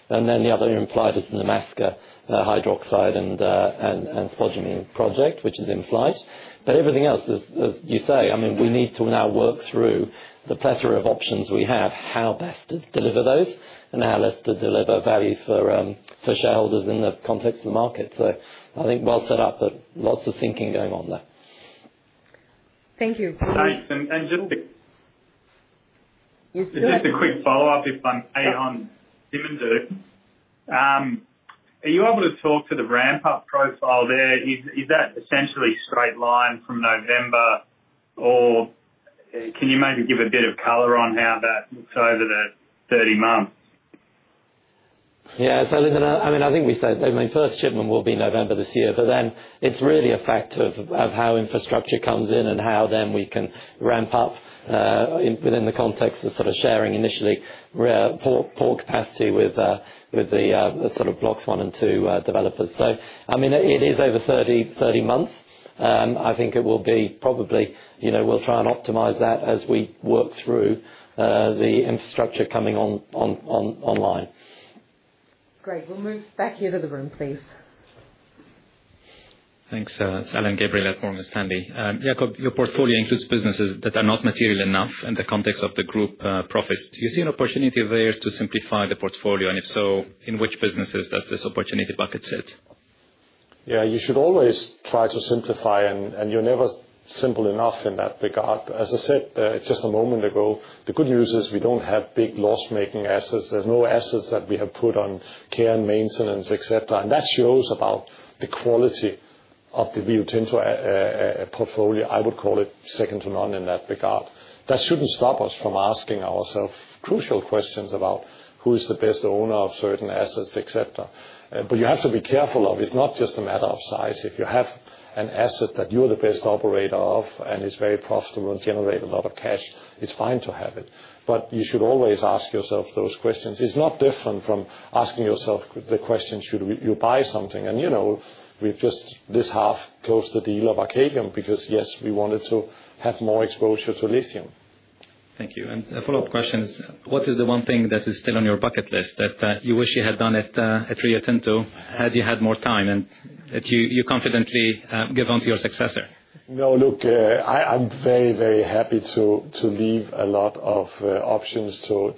[SPEAKER 3] The other implied is Nemaska hydroxide and spodumene project, which is in flight. But everything else, as you say, I mean, we need to now work through the plethora of options we have, how best to deliver those, and how best to deliver value for shareholders in the context of the market. I think well set up, but lots of thinking going on there. Thank you.
[SPEAKER 10] Thanks. Just to.
[SPEAKER 1] You still have to.
[SPEAKER 10] Just a quick follow-up on Simandou. Are you able to talk to the ramp-up profile there? Is that essentially straight line from November? Or can you maybe give a bit of color on how that looks over the 30 months?
[SPEAKER 3] Yeah. I mean, I think we said, I mean, first shipment will be November this year, but then it's really a fact of how infrastructure comes in and how then we can ramp up. Within the context of sort of sharing initially port capacity with the sort of blocks one and two developers. I mean, it is over 30 months. I think it will be probably we'll try and optimize that as we work through the infrastructure coming online.
[SPEAKER 1] Great. We'll move back here to the room, please.
[SPEAKER 11] Thanks. It's Alain Gabriel at Morgan Stanley. Jakob, your portfolio includes businesses that are not material enough in the context of the group profits. Do you see an opportunity there to simplify the portfolio? And if so, in which businesses does this opportunity bucket sit.
[SPEAKER 2] Yeah. You should always try to simplify, and you're never simple enough in that regard. As I said just a moment ago, the good news is we don't have big loss-making assets. There's no assets that we have put on care and maintenance, etc. That shows about the quality of the Rio Tinto portfolio. I would call it second to none in that regard. That shouldn't stop us from asking ourselves crucial questions about who is the best owner of certain assets, etc. You have to be careful of it's not just a matter of size. If you have an asset that you're the best operator of and it's very profitable and generates a lot of cash, it's fine to have it. You should always ask yourself those questions. It's not different from asking yourself the question, should you buy something? We've just this half closed the deal of Arcadium because, yes, we wanted to have more exposure to lithium.
[SPEAKER 11] Thank you. A follow-up question is, what is the one thing that is still on your bucket list that you wish you had done at Rio Tinto had you had more time and that you confidently give on to your successor?
[SPEAKER 2] No, look, I'm very, very happy to leave a lot of options to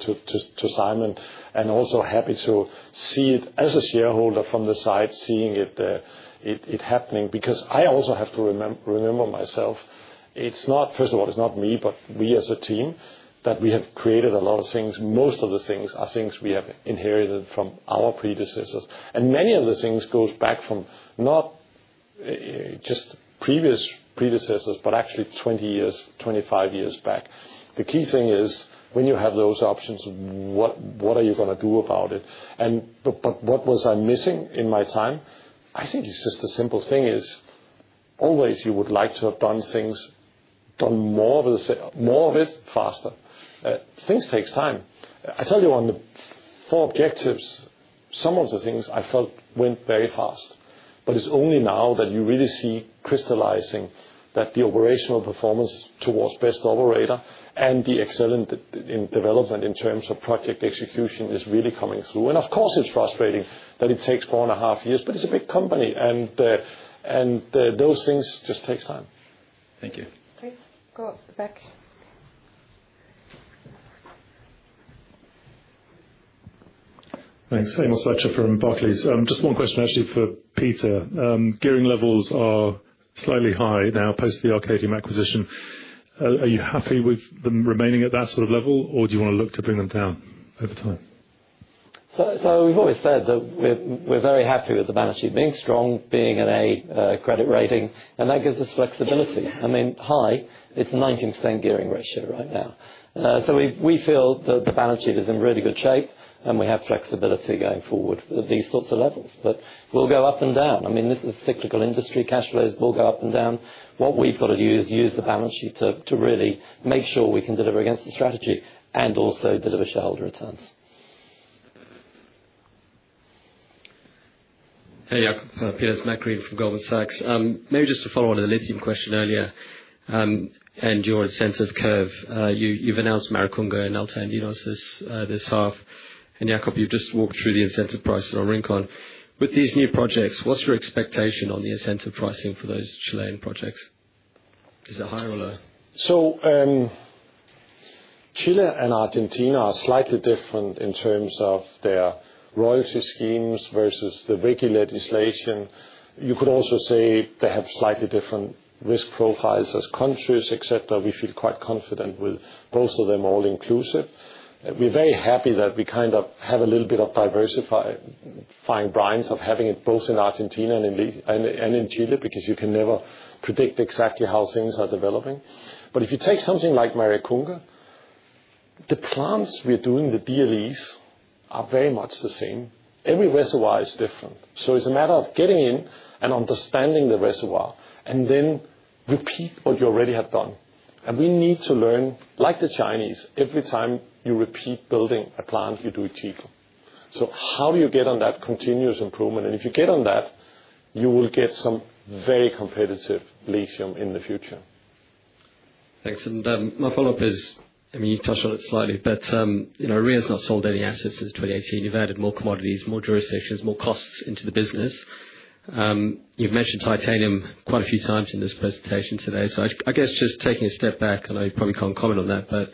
[SPEAKER 2] Simon. Also happy to see it as a shareholder from the side, seeing it happening. Because I also have to remember myself. First of all, it is not me, but we as a team that have created a lot of things. Most of the things are things we have inherited from our predecessors. Many of the things go back from not just previous predecessors, but actually 20 years, 25 years back. The key thing is when you have those options, what are you going to do about it? What was I missing in my time?
[SPEAKER 3] I think it is just a simple thing. Always you would like to have done things, done more of it faster. Things take time. I tell you, on the four objectives, some of the things I felt went very fast. It is only now that you really see crystallizing that the operational performance towards best operator and the excellent development in terms of project execution is really coming through. Of course, it is frustrating that it takes four and a half years, but it is a big company. Those things just take time.
[SPEAKER 11] Thank you.
[SPEAKER 1] Okay. Go back.
[SPEAKER 12] Thanks. I am Amos Fletcher from Barclays. Just one question, actually, for Peter. Gearing levels are slightly high now post the Arcadium Lithium acquisition. Are you happy with them remaining at that sort of level, or do you want to look to bring them down over time?
[SPEAKER 3] We have always said that we are very happy with the balance sheet, being strong, being at a credit rating. That gives us flexibility. I mean, high, it is a 19% gearing ratio right now. We feel that the balance sheet is in really good shape, and we have flexibility going forward at these sorts of levels. It will go up and down. I mean, this is a cyclical industry. Cash flows will go up and down. What we have got to do is use the balance sheet to really make sure we can deliver against the strategy and also deliver shareholder returns.
[SPEAKER 13] Hey, Jakob. Peter. Matt Greene from Goldman Sachs. Maybe just to follow on the lithium question earlier. And your incentive curve. You have announced Maricunga and Saladas Altoandinas this half. Jakob, you have just walked through the incentive price on Rincón. With these new projects, what is your expectation on the incentive pricing for those Chilean projects? Is it higher or lower?
[SPEAKER 2] Chile and Argentina are slightly different in terms of their royalty schemes versus the WIGI legislation. You could also say they have slightly different risk profiles as countries, etc. We feel quite confident with both of them all-inclusive. We're very happy that we kind of have a little bit of diversifying brines of having it both in Argentina and in Chile because you can never predict exactly how things are developing. If you take something like Maricunga, the plants we're doing, the DLEs, are very much the same. Every reservoir is different. It is a matter of getting in and understanding the reservoir and then repeat what you already have done. We need to learn, like the Chinese, every time you repeat building a plant, you do it cheaper. How do you get on that continuous improvement? If you get on that, you will get some very competitive lithium in the future.
[SPEAKER 13] Thanks. My follow-up is, I mean, you touched on it slightly, but Rio has not sold any assets since 2018. You've added more commodities, more jurisdictions, more costs into the business. You've mentioned titanium quite a few times in this presentation today. I guess just taking a step back, and I probably can't comment on that, but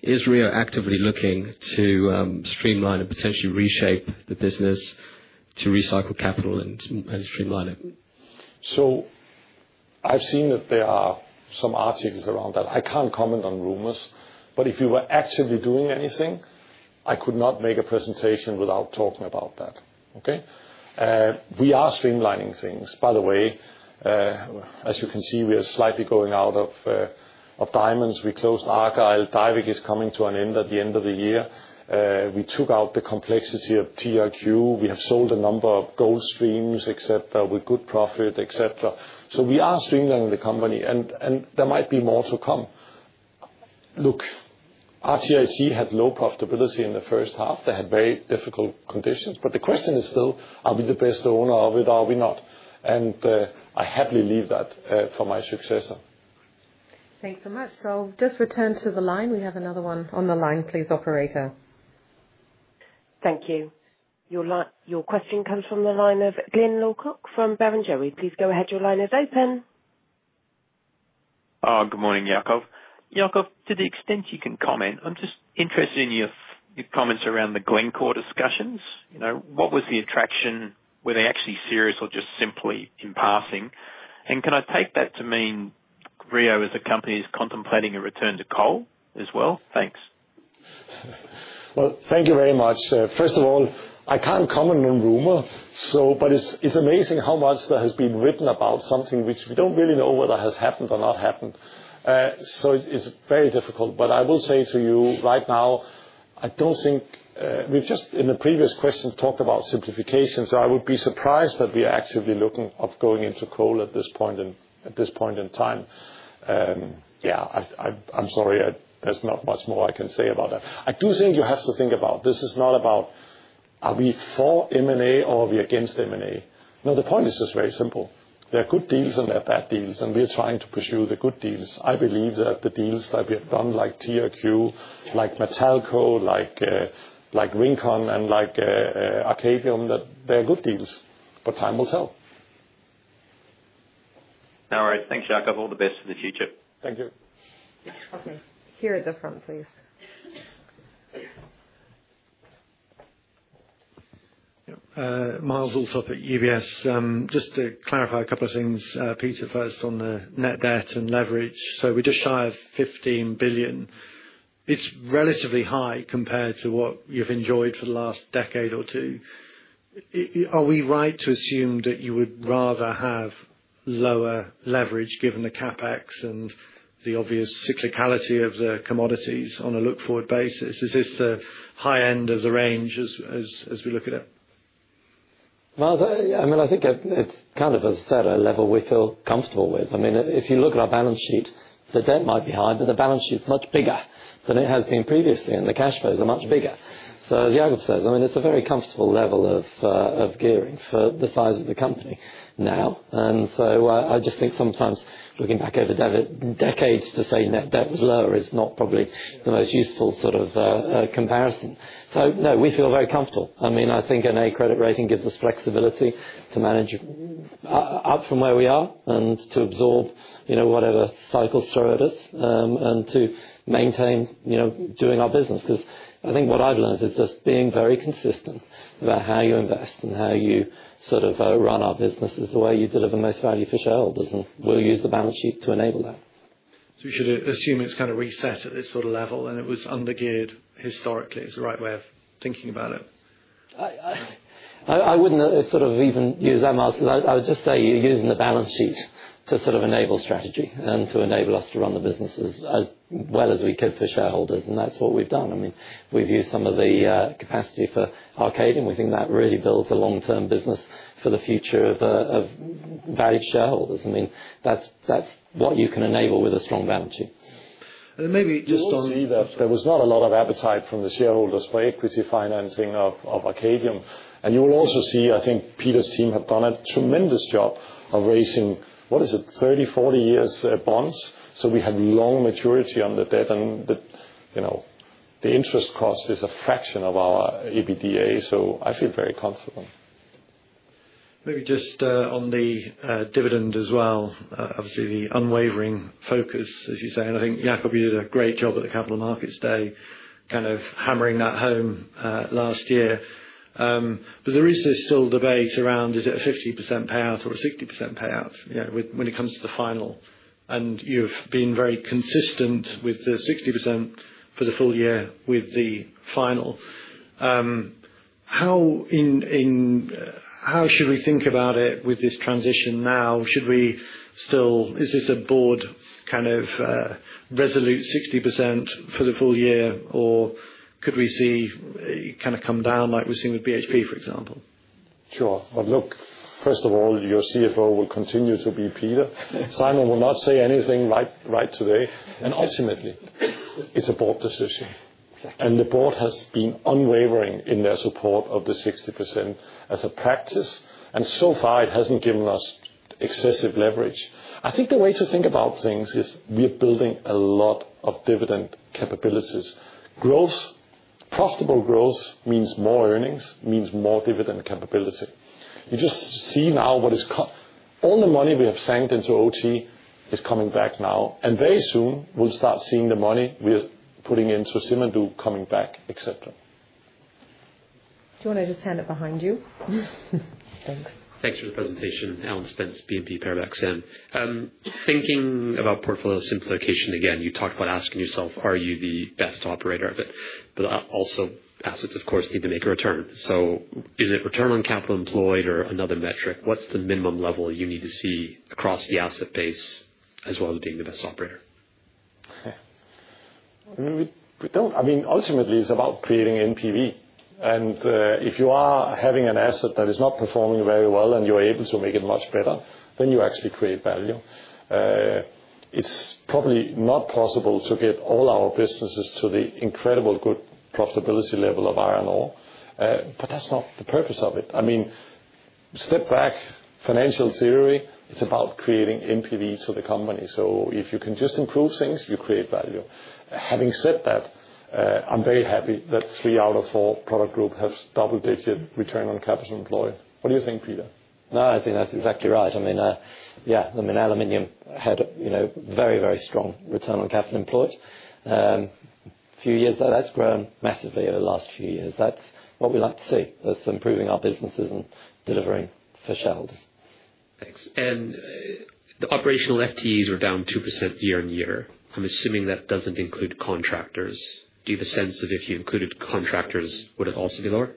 [SPEAKER 13] is Rio actively looking to streamline and potentially reshape the business to recycle capital and streamline it?
[SPEAKER 2] I've seen that there are some articles around that. I can't comment on rumors. If you were actively doing anything, I could not make a presentation without talking about that. We are streamlining things. By the way, as you can see, we are slightly going out of diamonds. We closed Argyle. Diavik is coming to an end at the end of the year. We took out the complexity of TRQ. We have sold a number of gold streams, etc., with good profit, etc. We are streamlining the company. There might be more to come. RTIT had low profitability in the first half. They had very difficult conditions. The question is still, are we the best owner of it? Are we not? I happily leave that for my successor.
[SPEAKER 1] Thanks so much. Just return to the line. We have another one on the line, please, operator.
[SPEAKER 6] Thank you. Your question comes from the line of Glyn Lawcock from Barrenjoey. Please go ahead. Your line is open.
[SPEAKER 2] Good morning, Jakob. Jakob, to the extent you can comment, I'm just interested in your comments around the Glencore discussions. What was the attraction? Were they actually serious or just simply in passing? Can I take that to mean Rio as a company is contemplating a return to coal as well? Thanks. Thank you very much. First of all, I can't comment on rumors. But it's amazing how much that has been written about something which we don't really know whether has happened or not happened. It's very difficult. I will say to you right now, I don't think we've just, in the previous question, talked about simplification. I would be surprised that we are actively looking at going into coal at this point in time. Yeah. I'm sorry. There's not much more I can say about that. I do think you have to think about this is not about. Are we for M&A or are we against M&A? No, the point is just very simple. There are good deals and there are bad deals, and we are trying to pursue the good deals. I believe that the deals that we have done, like TRQ, like Metalco, like Rincón, and like Arcadium, that they are good deals. But time will tell.
[SPEAKER 14] All right. Thanks, Jakob. All the best for the future.
[SPEAKER 2] Thank you.
[SPEAKER 1] Okay. Here at the front, please.
[SPEAKER 15] Myles Allsop at UBS. Just to clarify a couple of things, Peter, first on the net debt and leverage. We are just shy of $15 billion. It's relatively high compared to what you've enjoyed for the last decade or two. Are we right to assume that you would rather have lower leverage given the CapEx and the obvious cyclicality of the commodities on a look-forward basis? Is this the high end of the range as we look at it?
[SPEAKER 3] I think it's kind of a set of levels we feel comfortable with. If you look at our balance sheet, the debt might be high, but the balance sheet is much bigger than it has been previously, and the cash flows are much bigger. As Jakob says, it's a very comfortable level of gearing for the size of the company now. I just think sometimes looking back over decades to say net debt was lower is not probably the most useful sort of comparison. We feel very comfortable. I think an A credit rating gives us flexibility to manage up from where we are and to absorb whatever cycles throw at us and to maintain doing our business. What I've learned is just being very consistent about how you invest and how you sort of run our business is the way you deliver most value for shareholders. We'll use the balance sheet to enable that.
[SPEAKER 15] We should assume it's kind of reset at this sort of level and it was undergeared historically. It's the right way of thinking about it?
[SPEAKER 3] I wouldn't sort of even use that much. I would just say you're using the balance sheet to sort of enable strategy and to enable us to run the business as well as we could for shareholders. That's what we've done. I mean, we've used some of the capacity for Arcadium. We think that really builds a long-term business for the future of valued shareholders. I mean, that's what you can enable with a strong balance sheet.
[SPEAKER 2] Maybe just on, you will see that there was not a lot of appetite from the shareholders for equity financing of Arcadium. You will also see, I think Peter's team have done a tremendous job of raising, what is it, 30-40 year bonds. We have long maturity on the debt. The interest cost is a fraction of our EBITDA. I feel very comfortable.
[SPEAKER 15] Maybe just on the dividend as well, obviously the unwavering focus, as you say. I think Jakob, you did a great job at the capital markets day kind of hammering that home last year. There is still debate around, is it a 50% payout or a 60% payout when it comes to the final? You've been very consistent with the 60% for the full year with the final. How should we think about it with this transition now? Should we still, is this a board kind of resolute 60% for the full year, or could we see it kind of come down like we're seeing with BHP, for example?
[SPEAKER 2] Sure. First of all, your CFO will continue to be Peter. Simon will not say anything right today. Ultimately, it's a board decision. The board has been unwavering in their support of the 60% as a practice. So far, it hasn't given us excessive leverage. I think the way to think about things is we are building a lot of dividend capabilities. Profitable growth means more earnings, means more dividend capability. You just see now what is all the money we have sunk into OT is coming back now. Very soon, we'll start seeing the money we're putting into Simandou coming back, etc.
[SPEAKER 1] Do you want to just hand it behind you?
[SPEAKER 16] Thanks for the presentation. Alan Spence, BNP Paribas. Thinking about portfolio simplification again, you talked about asking yourself, are you the best operator of it? Also, assets, of course, need to make a return. Is it return on capital employed or another metric? What's the minimum level you need to see across the asset base as well as being the best operator?
[SPEAKER 2] I mean, ultimately, it's about creating NPV. If you are having an asset that is not performing very well and you're able to make it much better, then you actually create value. It's probably not possible to get all our businesses to the incredible good profitability level of iron ore, but that's not the purpose of it. I mean. Step back, financial theory, it's about creating NPV to the company. If you can just improve things, you create value. Having said that. I'm very happy that three out of four product group have double-digit return on capital employed. What do you think, Peter?
[SPEAKER 3] No, I think that's exactly right. I mean, yeah, I mean, aluminium had a very, very strong return on capital employed. A few years ago, that's grown massively over the last few years. That's what we like to see. That's improving our businesses and delivering for shareholders. Thanks.
[SPEAKER 16] The operational FTEs were down 2% year-on-year. I'm assuming that doesn't include contractors. Do you have a sense of if you included contractors, would it also be lower?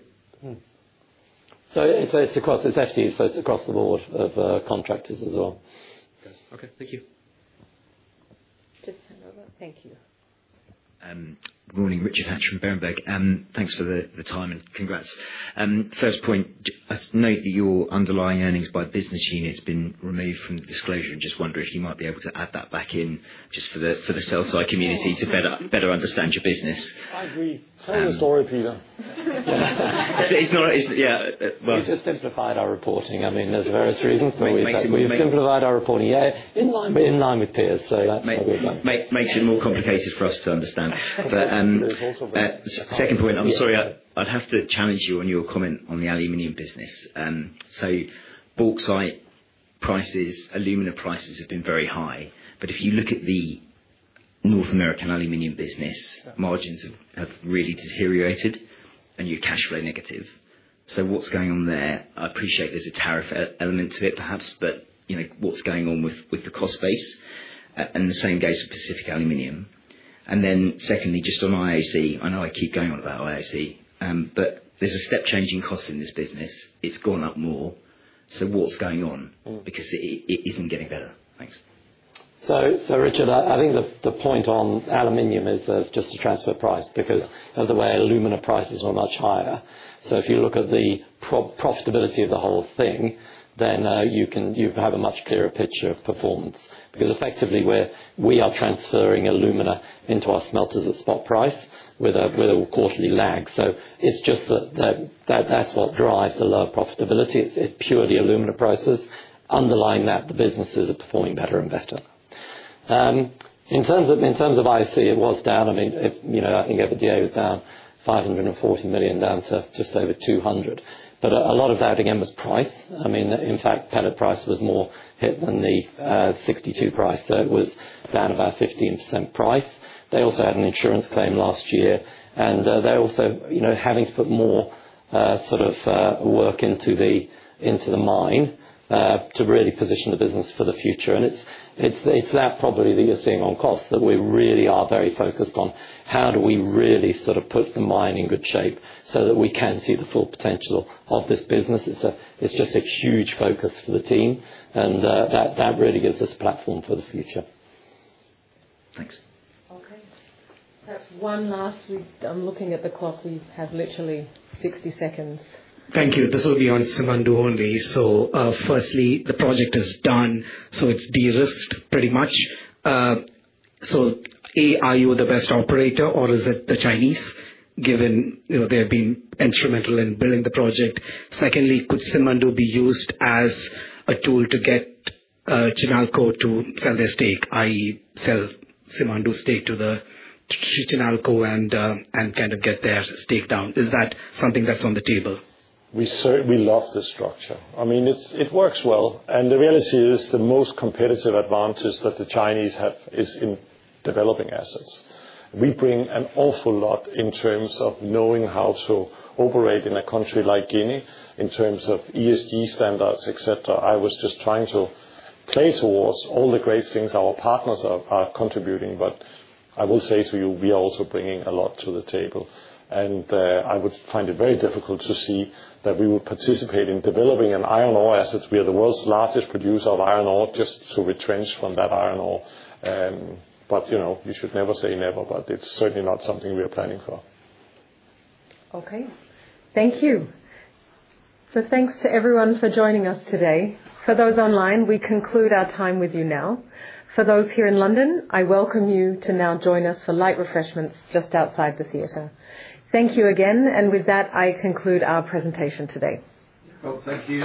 [SPEAKER 3] It's across the FTEs, so it's across the board of contractors as well.
[SPEAKER 16] Okay. Thank you.
[SPEAKER 1] Just hand over. Thank you.
[SPEAKER 17] Good morning, Richard Hatch from Berenberg. Thanks for the time and congrats. First point, I note that your underlying earnings by business unit has been removed from the disclosure and just wondering if you might be able to add that back in just for the sell-side community to better understand your business.
[SPEAKER 2] I agree. Tell the story, Peter.
[SPEAKER 3] Yeah. You just simplified our reporting. I mean, there's various reasons maybe that's what you're saying. We've simplified our reporting, yeah, in line with Peers.
[SPEAKER 17] Makes it more complicated for us to understand. Second point, I'm sorry, I'd have to challenge you on your comment on the aluminium business. Bauxite prices, aluminum prices have been very high. If you look at the North American aluminium business, margins have really deteriorated and you're cash flow negative. What's going on there? I appreciate there's a tariff element to it, perhaps, but what's going on with the cost base? The same goes for Pacific Aluminium. Secondly, just on IOC, I know I keep going on about IOC, but there's a step-changing cost in this business. It's gone up more. What's going on? Because it isn't getting better. Thanks.
[SPEAKER 3] Richard, I think the point on aluminium is just the transfer price because of the way aluminum prices are much higher. If you look at the profitability of the whole thing, then you have a much clearer picture of performance. Because effectively, we are transferring aluminum into our smelters at spot price with a quarterly lag. It is just that. That is what drives the lower profitability. It is purely aluminum prices. Underlying that, the businesses are performing better and better. In terms of IOC, it was down. I mean, I think EBITDA was down $540 million down to just over $200 million. A lot of that, again, was price. In fact, pellet price was more hit than the 62 price. It was down about 15% price. They also had an insurance claim last year. They are also having to put more sort of work into the mine to really position the business for the future. It is that probably that you are seeing on costs that we really are very focused on. How do we really sort of put the mine in good shape so that we can see the full potential of this business? It is just a huge focus for the team. That really gives us a platform for the future.
[SPEAKER 2] Thanks.
[SPEAKER 1] Okay. Perhaps one last, I am looking at the clock. We have literally 60 seconds.
[SPEAKER 5] Thank you. This will be on Simandou only. Firstly, the project is done. It is de-risked pretty much. Are you the best operator, or is it the Chinese, given they have been instrumental in building the project? Secondly, could Simandou be used as a tool to get Chinalco to sell their stake, i.e., sell Simandou's stake to Chinalco and kind of get their stake down? Is that something that is on the table?
[SPEAKER 2] We love the structure. It works well. The reality is the most competitive advantage that the Chinese have is in developing assets. We bring an awful lot in terms of knowing how to operate in a country like Guinea in terms of ESG standards, etc. I was just trying to play towards all the great things our partners are contributing. I will say to you, we are also bringing a lot to the table. I would find it very difficult to see that we would participate in developing an iron ore asset. We are the world's largest producer of iron ore just to retrench from that iron ore. You should never say never, but it is certainly not something we are planning for.
[SPEAKER 1] Okay. Thank you. Thanks to everyone for joining us today. For those online, we conclude our time with you now. For those here in London, I welcome you to now join us for light refreshments just outside the theater. Thank you again. With that, I conclude our presentation today. Thank you.